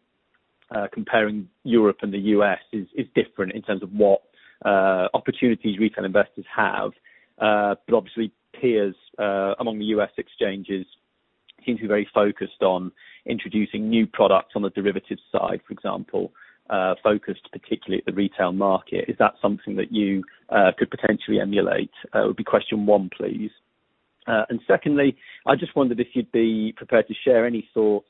comparing Europe and the U.S., is different in terms of what opportunities retail investors have. Obviously peers among the U.S. exchanges seem to be very focused on introducing new products on the derivatives side, for example, focused particularly at the retail market. Is that something that you could potentially emulate? Would be question one, please? Secondly, I just wondered if you'd be prepared to share any thoughts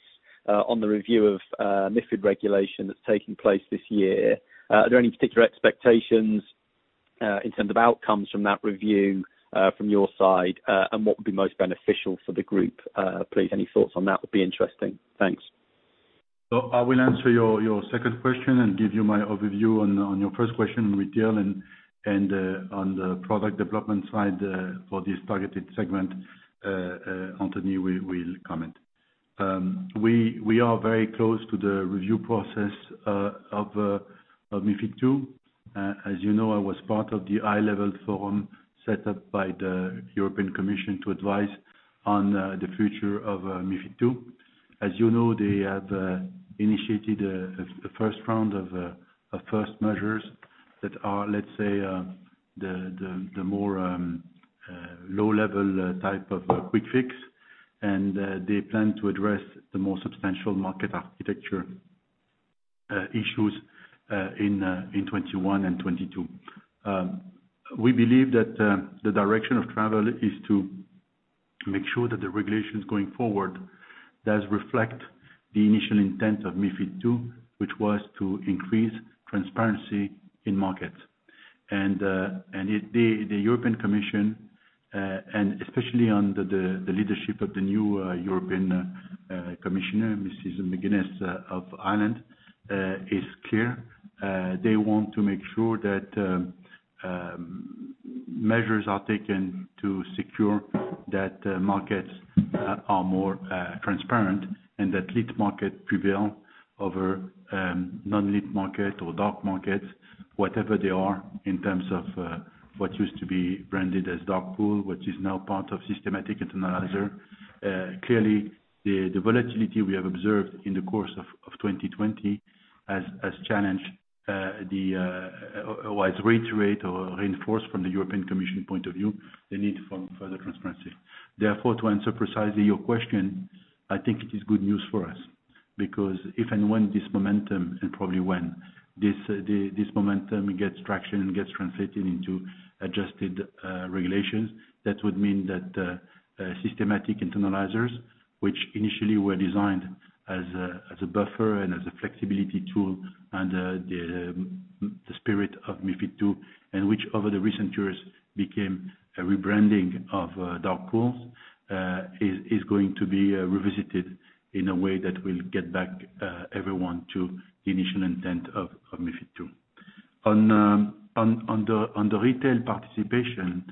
on the review of MiFID II regulation that's taking place this year. Are there any particular expectations in terms of outcomes from that review from your side? What would be most beneficial for the group, please? Any thoughts on that would be interesting. Thanks. I will answer your second question and give you my overview on your first question on retail and on the product development side for this targeted segment, Anthony Attia will comment. We are very close to the review process of MiFID II. As you know, I was part of the high-level forum set up by the European Commission to advise on the future of MiFID II. As you know, they have initiated a first round of first measures that are, let's say, the more low-level type of quick fix. They plan to address the more substantial market architecture issues in 2021 and 2022. We believe that the direction of travel is to make sure that the regulations going forward does reflect the initial intent of MiFID II, which was to increase transparency in markets. The European Commission, and especially under the leadership of the new European Commissioner, Mrs. McGuinness of Ireland, is clear. They want to make sure that measures are taken to secure that markets are more transparent and that lit market prevail over non-lit market or dark markets, whatever they are, in terms of what used to be branded as dark pool, which is now part of systematic internalizer. Clearly, the volatility we have observed in the course of 2020 has challenged or has reiterated or reinforced from the European Commission point of view, the need for further transparency. To answer precisely your question, I think it is good news for us, because if and when this momentum, and probably when, this momentum gets traction and gets translated into adjusted regulations, that would mean that systematic internalizers which initially were designed as a buffer and as a flexibility tool under the spirit of MiFID II, and which over the recent years became a rebranding of dark pools, is going to be revisited in a way that will get back everyone to the initial intent of MiFID II. On the retail participation,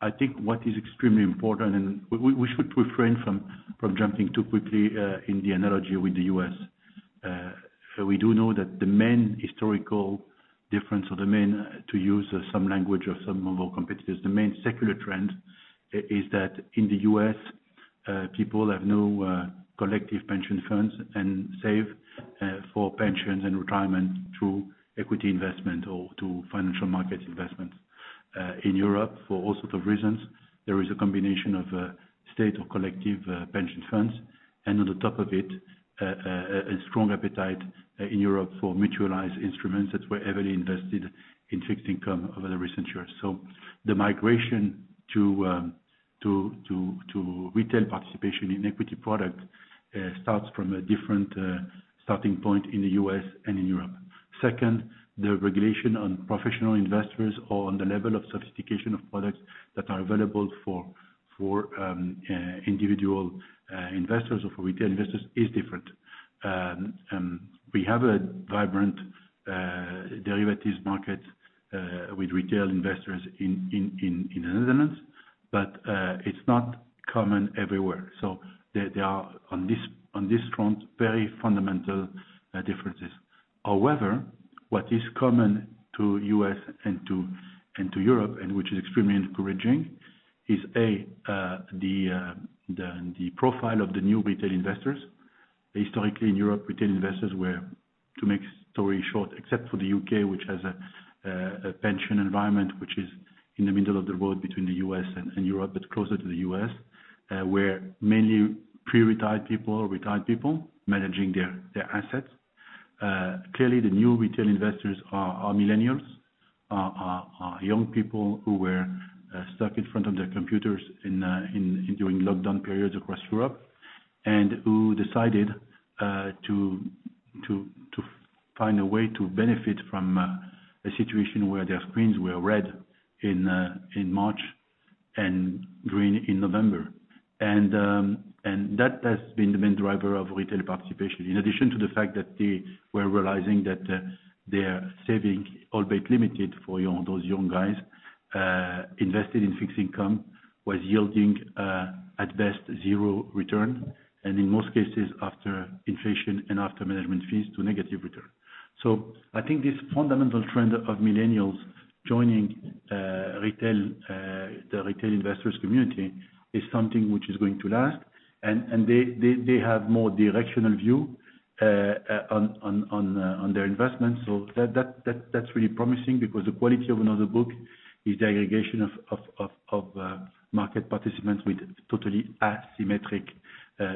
I think what is extremely important, and we should refrain from jumping too quickly in the analogy with the U.S. We do know that the main historical difference or the main, to use some language of some of our competitors, the main secular trend is that in the U.S. people have no collective pension funds and save for pensions and retirement through equity investment or through financial market investment. In Europe, for all sorts of reasons, there is a combination of state or collective pension funds, and on the top of it, a strong appetite in Europe for mutualized instruments that were heavily invested in fixed income over the recent years. The migration to retail participation in equity product starts from a different starting point in the U.S. and in Europe. Second, the regulation on professional investors or on the level of sophistication of products that are available for individual investors or for retail investors is different. We have a vibrant derivatives market with retail investors in the Netherlands, but it's not common everywhere. There are, on this front, very fundamental differences. What is common to U.S. and to Europe, and which is extremely encouraging, is A, the profile of the new retail investors. Historically in Europe, retail investors were, to make story short, except for the U.K., which has a pension environment, which is in the middle of the road between the U.S. and Europe, but closer to the U.S., where mainly pre-retired people or retired people managing their assets. Clearly, the new retail investors are millennials, are young people who were stuck in front of their computers during lockdown periods across Europe, and who decided to find a way to benefit from a situation where their screens were red in March and green in November. That has been the main driver of retail participation, in addition to the fact that they were realizing that their saving, albeit limited for those young guys, invested in fixed income, was yielding, at best, zero return, and in most cases, after inflation and after management fees, to negative return. I think this fundamental trend of millennials joining the retail investors community is something which is going to last, and they have more directional view on their investments. That's really promising because the quality of another book is the aggregation of market participants with totally asymmetric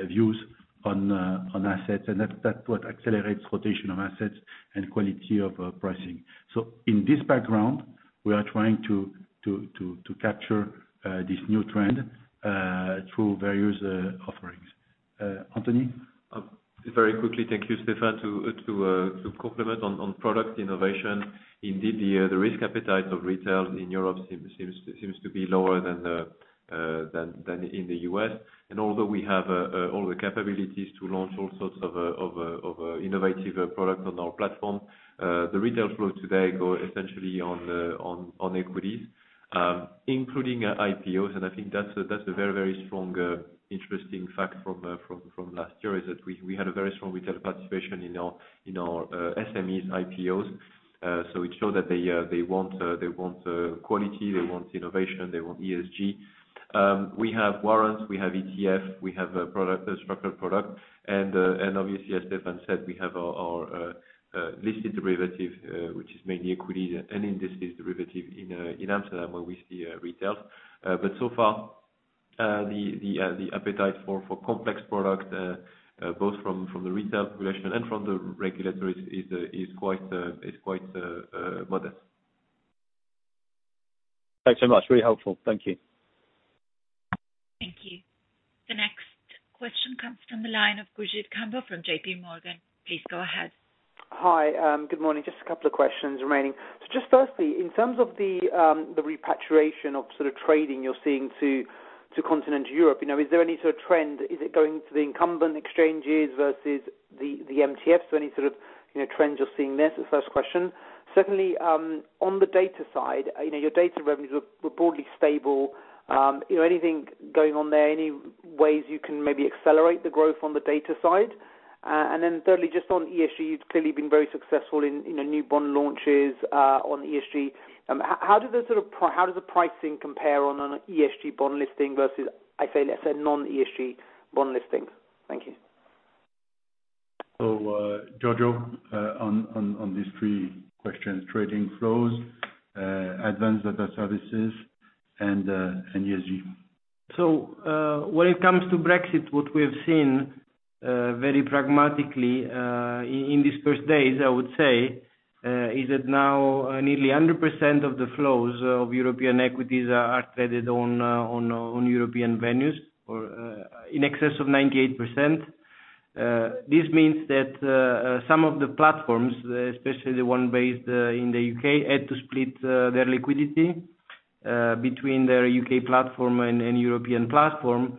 views on assets, and that's what accelerates rotation of assets and quality of pricing. In this background, we are trying to capture this new trend through various offerings. Anthony? Very quickly, thank you, Stéphane, to compliment on product innovation. Indeed, the risk appetite of retail in Europe seems to be lower than in the U.S. Although we have all the capabilities to launch all sorts of innovative products on our platform, the retail flow today go essentially on equities, including IPOs. I think that's a very strong, interesting fact from last year, is that we had a very strong retail participation in our SMEs IPOs. It showed that they want quality, they want innovation, they want ESG. We have warrants, we have ETF, we have a structured product. Obviously, as Stéphane said, we have our listed derivative, which is mainly equity and indices derivative in Amsterdam where we see retails. So far, the appetite for complex product both from the retail population and from the regulator is quite modest. Thanks so much. Very helpful. Thank you. Thank you. The next question comes from the line of Gurjit Kambo from J.P. Morgan. Please go ahead. Hi. Good morning. Just a couple of questions remaining. Just firstly, in terms of the repatriation of sort of trading you're seeing to continent Europe, is there any sort of trend, is it going to the incumbent exchanges versus the MTFs? Any sort of trends you're seeing there as the first question. Secondly, on the data side, your data revenues were broadly stable. Anything going on there? Any ways you can maybe accelerate the growth on the data side? Thirdly, just on ESG, it's clearly been very successful in new bond launches on ESG. How does the pricing compare on an ESG bond listing versus, I say, let's say, non-ESG bond listing? Thank you. Giorgio on these three questions, trading flows, Advanced Data Services and ESG. When it comes to Brexit, what we have seen very pragmatically in these first days, I would say, is that now nearly 100% of the flows of European equities are traded on European venues or in excess of 98%. This means that some of the platforms, especially the one based in the U.K., had to split their liquidity between their U.K. platform and European platform.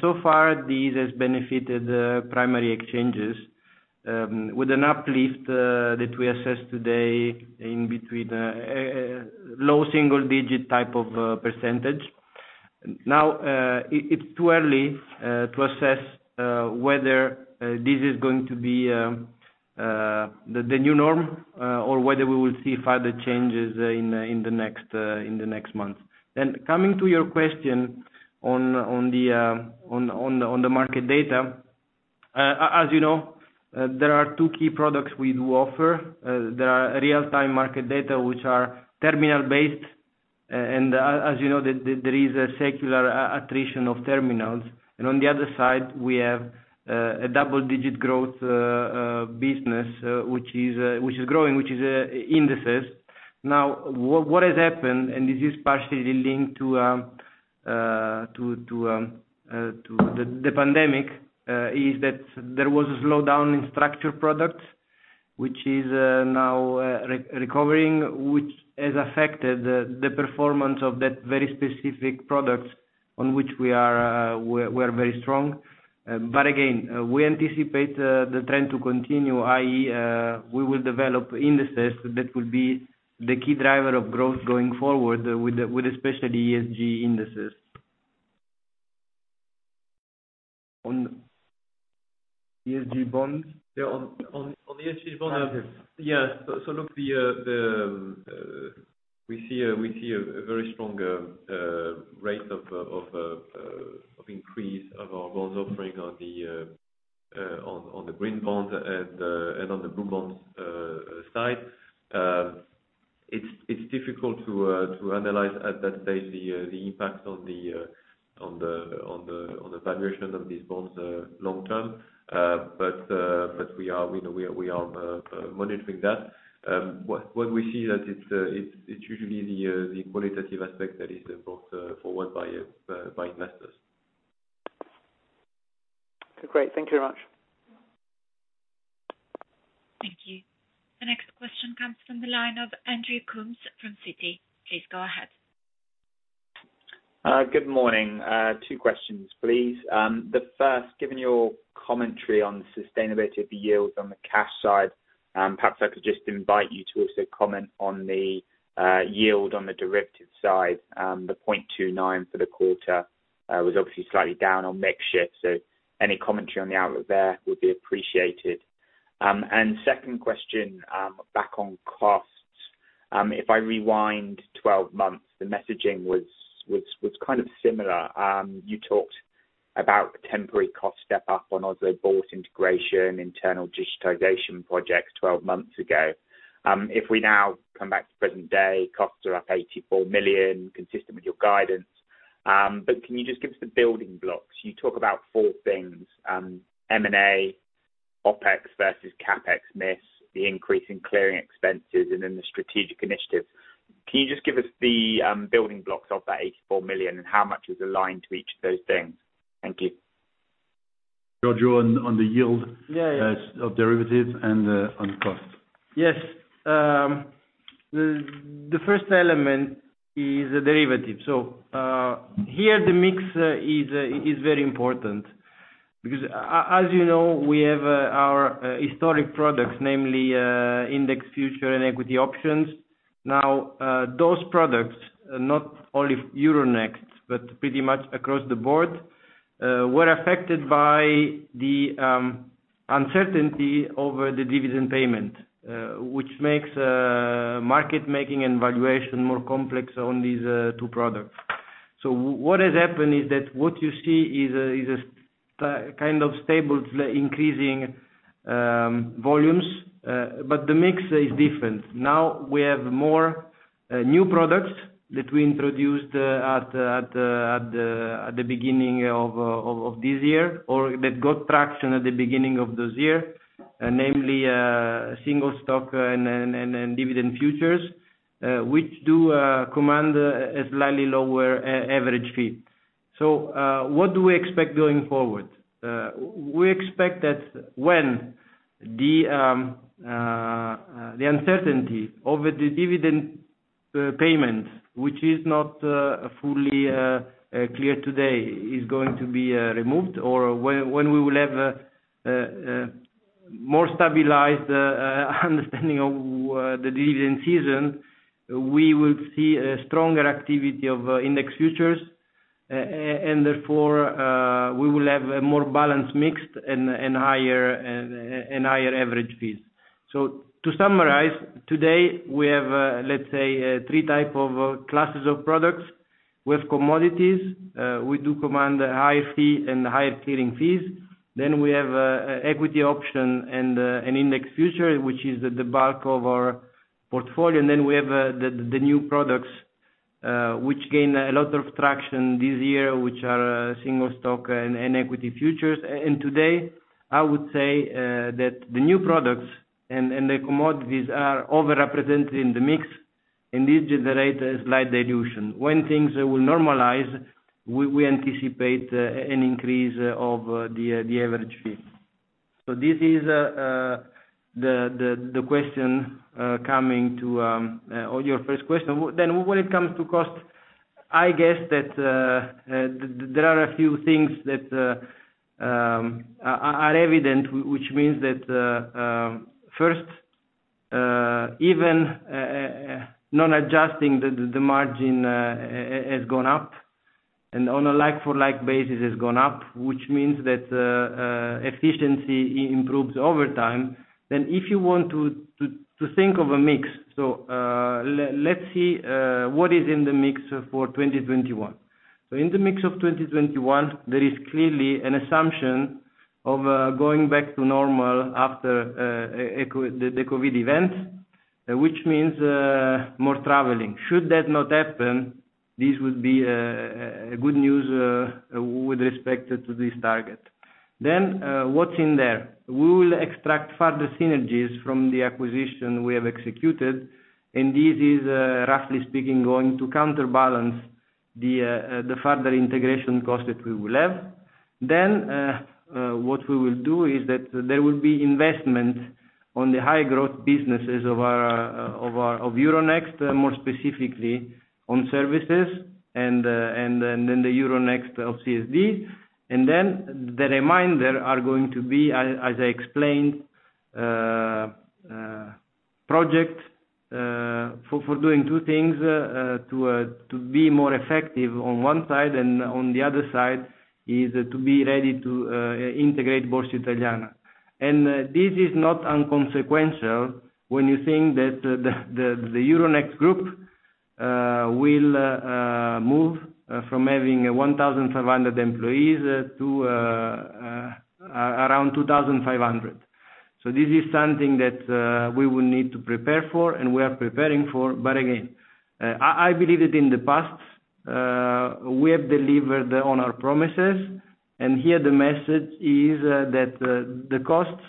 So far, this has benefited primary exchanges with an uplift that we assess today in between low single-digit type of percentage. It's too early to assess whether this is going to be the new norm, or whether we will see further changes in the next month. Coming to your question on the market data, as you know, there are two key products we do offer. There are real-time market data, which are terminal-based, and as you know, there is a secular attrition of terminals. On the other side, we have a double-digit growth business which is growing, which is indices. Now, what has happened, and this is partially linked to the pandemic, is that there was a slowdown in structured products, which is now recovering, which has affected the performance of that very specific product on which we're very strong. Again, we anticipate the trend to continue, i.e., we will develop indices that will be the key driver of growth going forward with especially ESG indices. On ESG bonds? Yeah, on the ESG bonds. Okay. Yeah. We see a very strong rate of increase of our bonds offering on the green bonds and on the blue bonds side. It is difficult to analyze at that stage the impact on the valuation of these bonds long-term, but we are monitoring that. What we see that it is usually the qualitative aspect that is brought forward by investors. Okay, great. Thank you very much. Thank you. The next question comes from the line of Andrew Coombs from Citi. Please go ahead. Good morning. Two questions, please. The first, given your commentary on the sustainability of the yields on the cash side, perhaps I could just invite you to also comment on the yield on the derivative side. The 0.29 for the quarter was obviously slightly down on mix shift. Any commentary on the outlook there would be appreciated. Second question, back on costs. If I rewind 12 months, the messaging was kind of similar. You talked about temporary cost step-up on Oslo Børs integration, internal digitization projects 12 months ago. If we now come back to present day, costs are up 84 million, consistent with your guidance. Can you just give us the building blocks? You talk about four things, M&A, OpEx versus CapEx miss, the increase in clearing expenses, and then the strategic initiative. Can you just give us the building blocks of that 84 million, and how much is aligned to each of those things? Thank you. Giorgio on the yield. Yeah of derivatives and on costs. Yes. The first element is the derivative. Here the mix is very important because as you know, we have our historic products, namely index future and equity options. Those products, not only Euronext, but pretty much across the board, were affected by the uncertainty over the dividend payment, which makes market-making and valuation more complex on these two products. What has happened is that what you see is a kind of stable increasing volumes, but the mix is different. We have more new products that we introduced at the beginning of this year, or that got traction at the beginning of this year, namely, single stock and dividend futures, which do command a slightly lower average fee. What do we expect going forward? We expect that when the uncertainty over the dividend payment, which is not fully clear today, is going to be removed, or when we will have a more stabilized understanding of the dividend season, we will see a stronger activity of index futures, and therefore, we will have a more balanced mix and higher average fees. To summarize, today, we have, let's say, three type of classes of products. We have commodities. We do command a high fee and higher clearing fees. We have equity option and an index future, which is the bulk of our portfolio. We have the new products, which gain a lot of traction this year, which are single stock and equity futures. Today, I would say that the new products and the commodities are over-represented in the mix, indeed generate a slight dilution. When things will normalize, we anticipate an increase of the average fee. This is the question coming to your first question. When it comes to cost, I guess that there are a few things that are evident, which means that, first, even non-adjusting, the margin has gone up, and on a like for like basis has gone up, which means that efficiency improves over time. If you want to think of a mix, let's see, what is in the mix for 2021. In the mix of 2021, there is clearly an assumption of going back to normal after the COVID event, which means more traveling. Should that not happen, this would be a good news with respect to this target. What's in there? We will extract further synergies from the acquisition we have executed, and this is, roughly speaking, going to counterbalance the further integration cost that we will have. What we will do is that there will be investment on the high-growth businesses of Euronext, more specifically on services and then the Euronext of CSD. The remainder are going to be, as I explained, project for doing two things, to be more effective on one side, and on the other side is to be ready to integrate Borsa Italiana. This is not inconsequential when you think that the Euronext Group will move from having 1,500 employees to around 2,500. This is something that we will need to prepare for, and we are preparing for. Again, I believe that in the past, we have delivered on our promises, and here the message is that the costs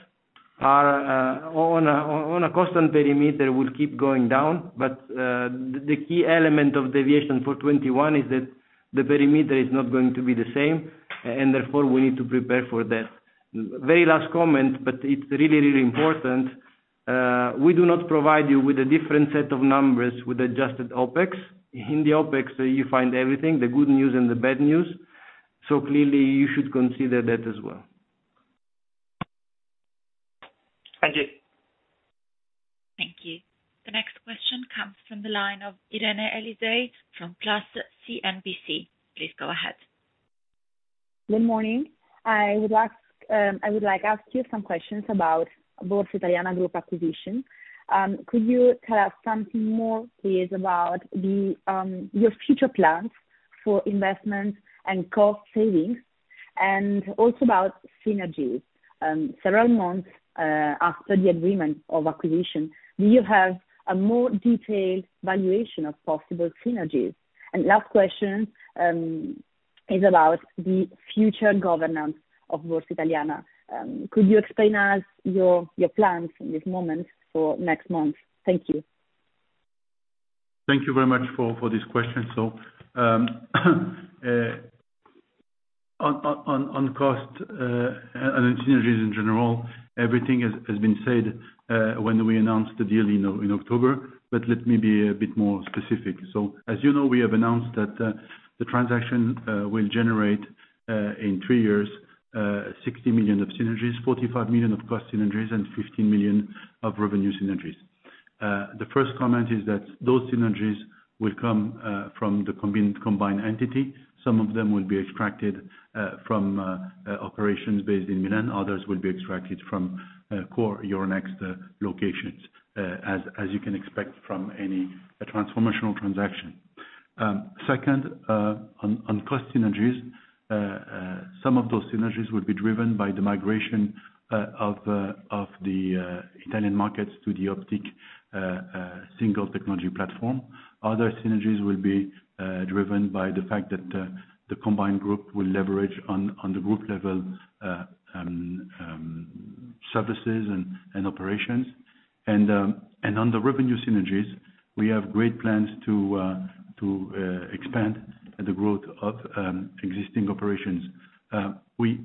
on a constant perimeter will keep going down. The key element of deviation for 2021 is that the perimeter is not going to be the same, and therefore, we need to prepare for that. Very last comment, it's really, really important. We do not provide you with a different set of numbers with adjusted OpEx. In the OpEx, you find everything, the good news and the bad news. Clearly you should consider that as well. Thank you. Thank you. The next question comes from the line of Irene Elisei from Class CNBC. Please go ahead. Good morning. I would like ask you some questions about Borsa Italiana Group acquisition. Could you tell us something more, please, about your future plans for investments and cost savings and also about synergies? Several months after the agreement of acquisition, do you have a more detailed valuation of possible synergies? Last question is about the future governance of Borsa Italiana. Could you explain us your plans in this moment for next month? Thank you. Thank you very much for this question. On cost and on synergies in general, everything has been said when we announced the deal in October, but let me be a bit more specific. As you know, we have announced that the transaction will generate, in three years, 60 million of synergies, 45 million of cost synergies and 15 million of revenue synergies. The first comment is that those synergies will come from the combined entity. Some of them will be extracted from operations based in Milan. Others will be extracted from core Euronext locations, as you can expect from any transformational transaction. Second, on cost synergies, some of those synergies will be driven by the migration of the Italian markets to the Optiq single technology platform. Other synergies will be driven by the fact that the combined group will leverage on the group level services and operations. On the revenue synergies, we have great plans to expand the growth of existing operations. We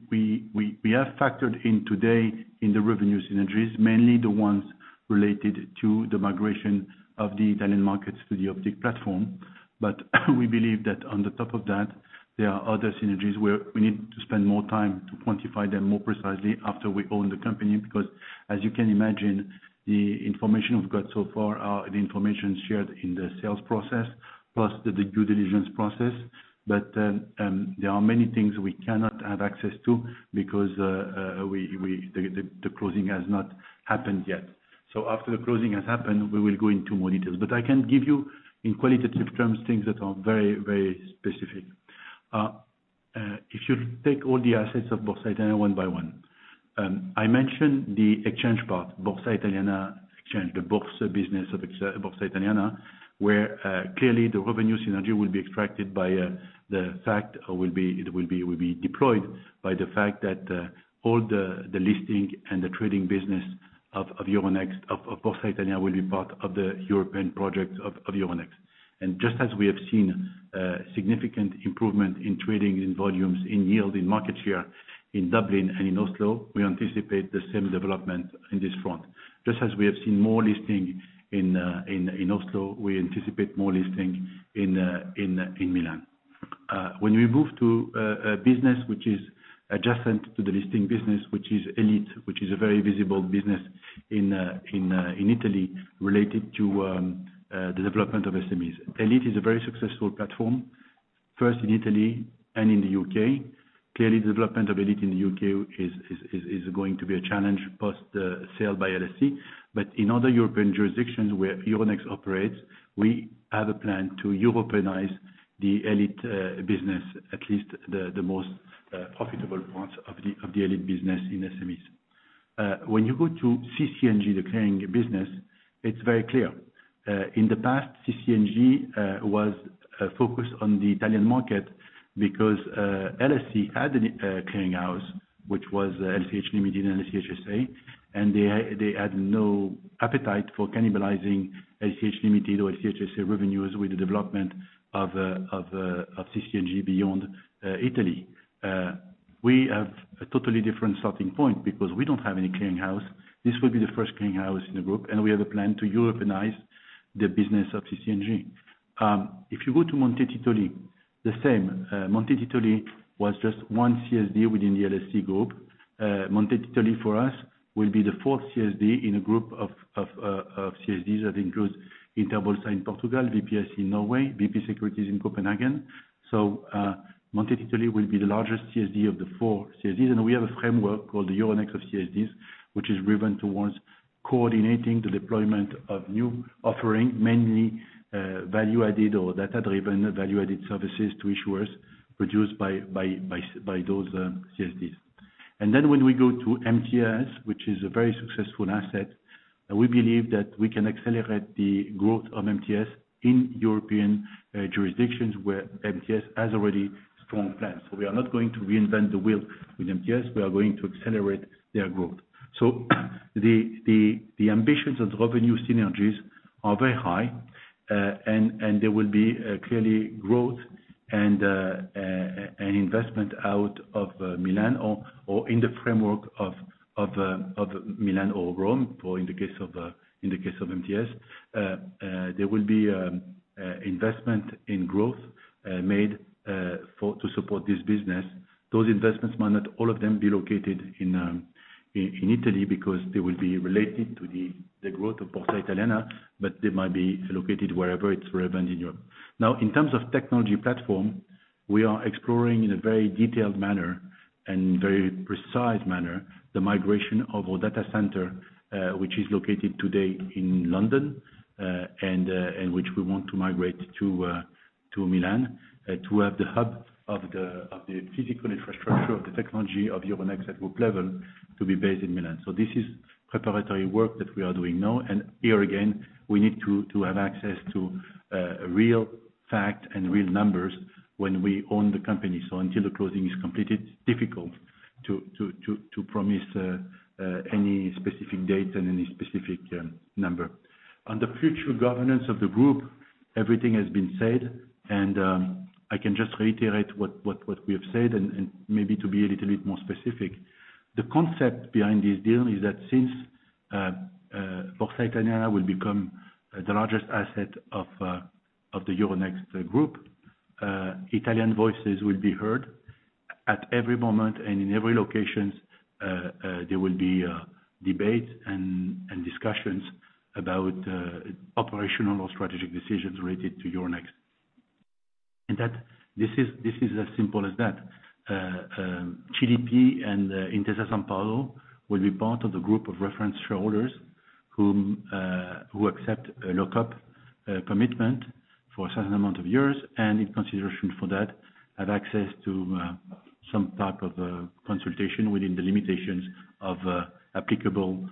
have factored in today in the revenue synergies, mainly the ones related to the migration of the Italian markets to the Optiq platform. We believe that on the top of that, there are other synergies where we need to spend more time to quantify them more precisely after we own the company, because, as you can imagine, the information we've got so far are the information shared in the sales process plus the due diligence process. There are many things we cannot have access to because the closing has not happened yet. After the closing has happened, we will go into more details. I can give you, in qualitative terms, things that are very, very specific. If you take all the assets of Borsa Italiana one by one, I mentioned the exchange part, Borsa Italiana exchange, the bourse business of Borsa Italiana, where clearly the revenue synergy will be extracted by the fact, or it will be deployed by the fact that all the listing and the trading business of Borsa Italiana will be part of the European project of Euronext. Just as we have seen significant improvement in trading, in volumes, in yield, in market share in Dublin and in Oslo, we anticipate the same development on this front. Just as we have seen more listing in Oslo, we anticipate more listing in Milan. When we move to a business which is adjacent to the listing business, which is ELITE, which is a very visible business in Italy related to the development of SMEs. ELITE is a very successful platform, first in Italy and in the U.K. Clearly, the development of ELITE in the U.K. is going to be a challenge post the sale by LSE. In other European jurisdictions where Euronext operates, we have a plan to Europeanize the ELITE business, at least the most profitable parts of the ELITE business in SMEs. When you go to CC&G, the clearing business, it's very clear. In the past, CC&G was focused on the Italian market because LSE had a clearing house, which was LCH Limited and LCH SA, and they had no appetite for cannibalizing LCH Limited or LCH SA revenues with the development of CC&G beyond Italy. We have a totally different starting point because we don't have any clearing house. This will be the first clearing house in the group, and we have a plan to Europeanize the business of CC&G. If you go to Monte Titoli. The same. Monte Titoli was just one CSD within the LSE group. Monte Titoli for us will be the fourth CSD in a group of CSDs that includes Interbolsa in Portugal, VPS in Norway, VP Securities in Copenhagen. Monte Titoli will be the largest CSD of the four CSDs, and we have a framework called the Euronext of CSDs, which is driven towards coordinating the deployment of new offering, mainly value-added or data-driven value-added services to issuers produced by those CSDs. When we go to MTS, which is a very successful asset, we believe that we can accelerate the growth of MTS in European jurisdictions where MTS has already strong plans. We are not going to reinvent the wheel with MTS. We are going to accelerate their growth. The ambitions of the revenue synergies are very high, and there will be clearly growth and investment out of Milan or in the framework of Milan or Rome, or in the case of MTS. There will be investment in growth made to support this business. Those investments might not all of them be located in Italy because they will be related to the growth of Borsa Italiana, but they might be located wherever it's relevant in Europe. In terms of technology platform, we are exploring in a very detailed manner and very precise manner, the migration of our data center, which is located today in London, and which we want to migrate to Milan to have the hub of the physical infrastructure of the technology of Euronext at group level to be based in Milan. This is preparatory work that we are doing now. Here again, we need to have access to real fact and real numbers when we own the company. Until the closing is completed, it's difficult to promise any specific date and any specific number. On the future governance of the group, everything has been said, and I can just reiterate what we have said, and maybe to be a little bit more specific. The concept behind this deal is that since Borsa Italiana will become the largest asset of the Euronext group, Italian voices will be heard at every moment, and in every location there will be debate and discussions about operational or strategic decisions related to Euronext. This is as simple as that. CDP and Intesa Sanpaolo will be part of the group of reference shareholders who accept a lockup commitment for a certain amount of years, and in consideration for that, have access to some type of consultation within the limitations of applicable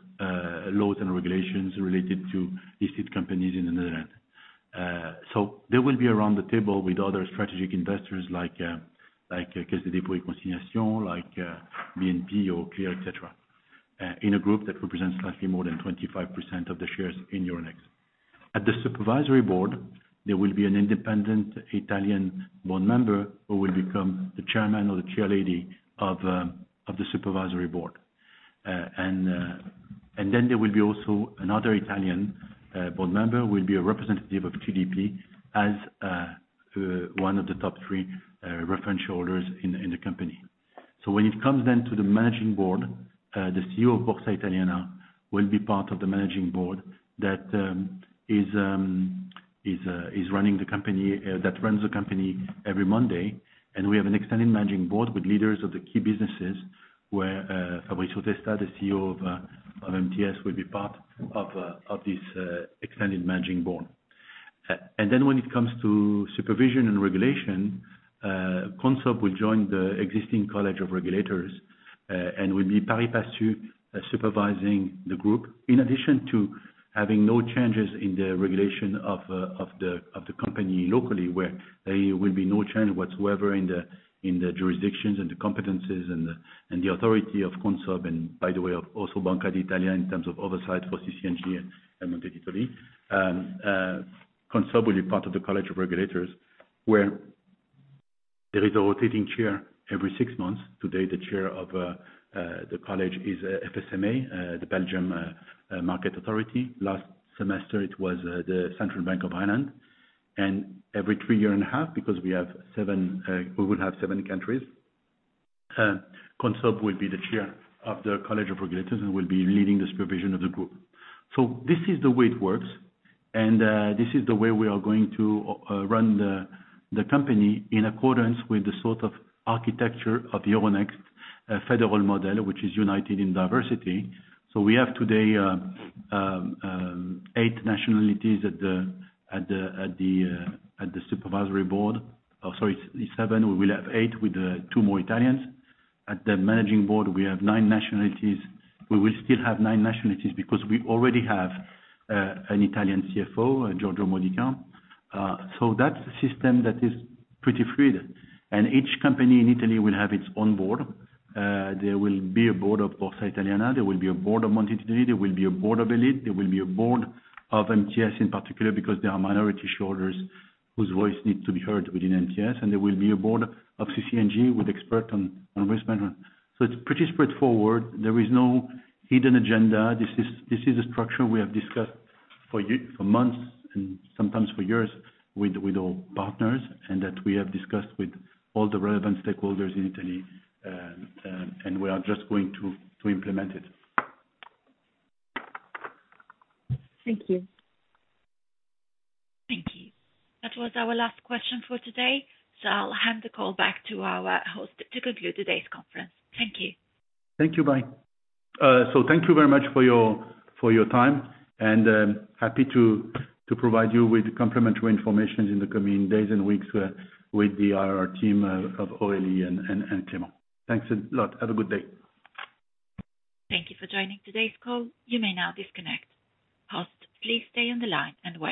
laws and regulations related to listed companies in the Netherlands. They will be around the table with other strategic investors like Caisse des Dépôts et Consignations, like BNP or Clearstream, et cetera, in a group that represents slightly more than 25% of the shares in Euronext. At the supervisory board, there will be an independent Italian board member who will become the chairman or the chairlady of the supervisory board. There will be also another Italian board member who will be a representative of CDP as one of the top three reference holders in the company. When it comes then to the managing board, the CEO of Borsa Italiana will be part of the managing board that runs the company every Monday, and we have an extended managing board with leaders of the key businesses, where Fabrizio Testa, the CEO of MTS, will be part of this extended managing board. When it comes to supervision and regulation, Consob will join the existing College of Regulators, and will be pari passu supervising the group, in addition to having no changes in the regulation of the company locally, where there will be no change whatsoever in the jurisdictions and the competencies and the authority of Consob. Of also Banca d'Italia in terms of oversight for CC&G and Monte Titoli. Consob will be part of the College of Regulators, where there is a rotating chair every six months. Today, the chair of the college is FSMA, the Belgian Market Authority. Last semester it was the Central Bank of Ireland. Every three year and a half, because we will have seven countries, Consob will be the chair of the College of Regulators and will be leading the supervision of the group. This is the way it works, and this is the way we are going to run the company in accordance with the sort of architecture of Euronext federal model, which is united in diversity. We have today eight nationalities at the supervisory board. Sorry, it's seven. We will have eight with two more Italians. At the managing board, we have nine nationalities. We will still have nine nationalities because we already have an Italian CFO, Giorgio Modica. That's a system that is pretty fluid. Each company in Italy will have its own board. There will be a board of Borsa Italiana. There will be a board of Monte Titoli. There will be a board of ELITE. There will be a board of MTS in particular, because there are minority shareholders whose voice needs to be heard within MTS, and there will be a board of CC&G with expert on risk management. It's pretty straightforward. There is no hidden agenda. This is the structure we have discussed for months and sometimes for years with our partners, and that we have discussed with all the relevant stakeholders in Italy, and we are just going to implement it. Thank you. Thank you. That was our last question for today, so I'll hand the call back to our host to conclude today's conference. Thank you. Thank you. Bye. Thank you very much for your time, and happy to provide you with complimentary informations in the coming days and weeks with the IR team of Aurélie and Clément. Thanks a lot. Have a good day. Thank you for joining today's call. You may now disconnect. Host, please stay on the line and wait.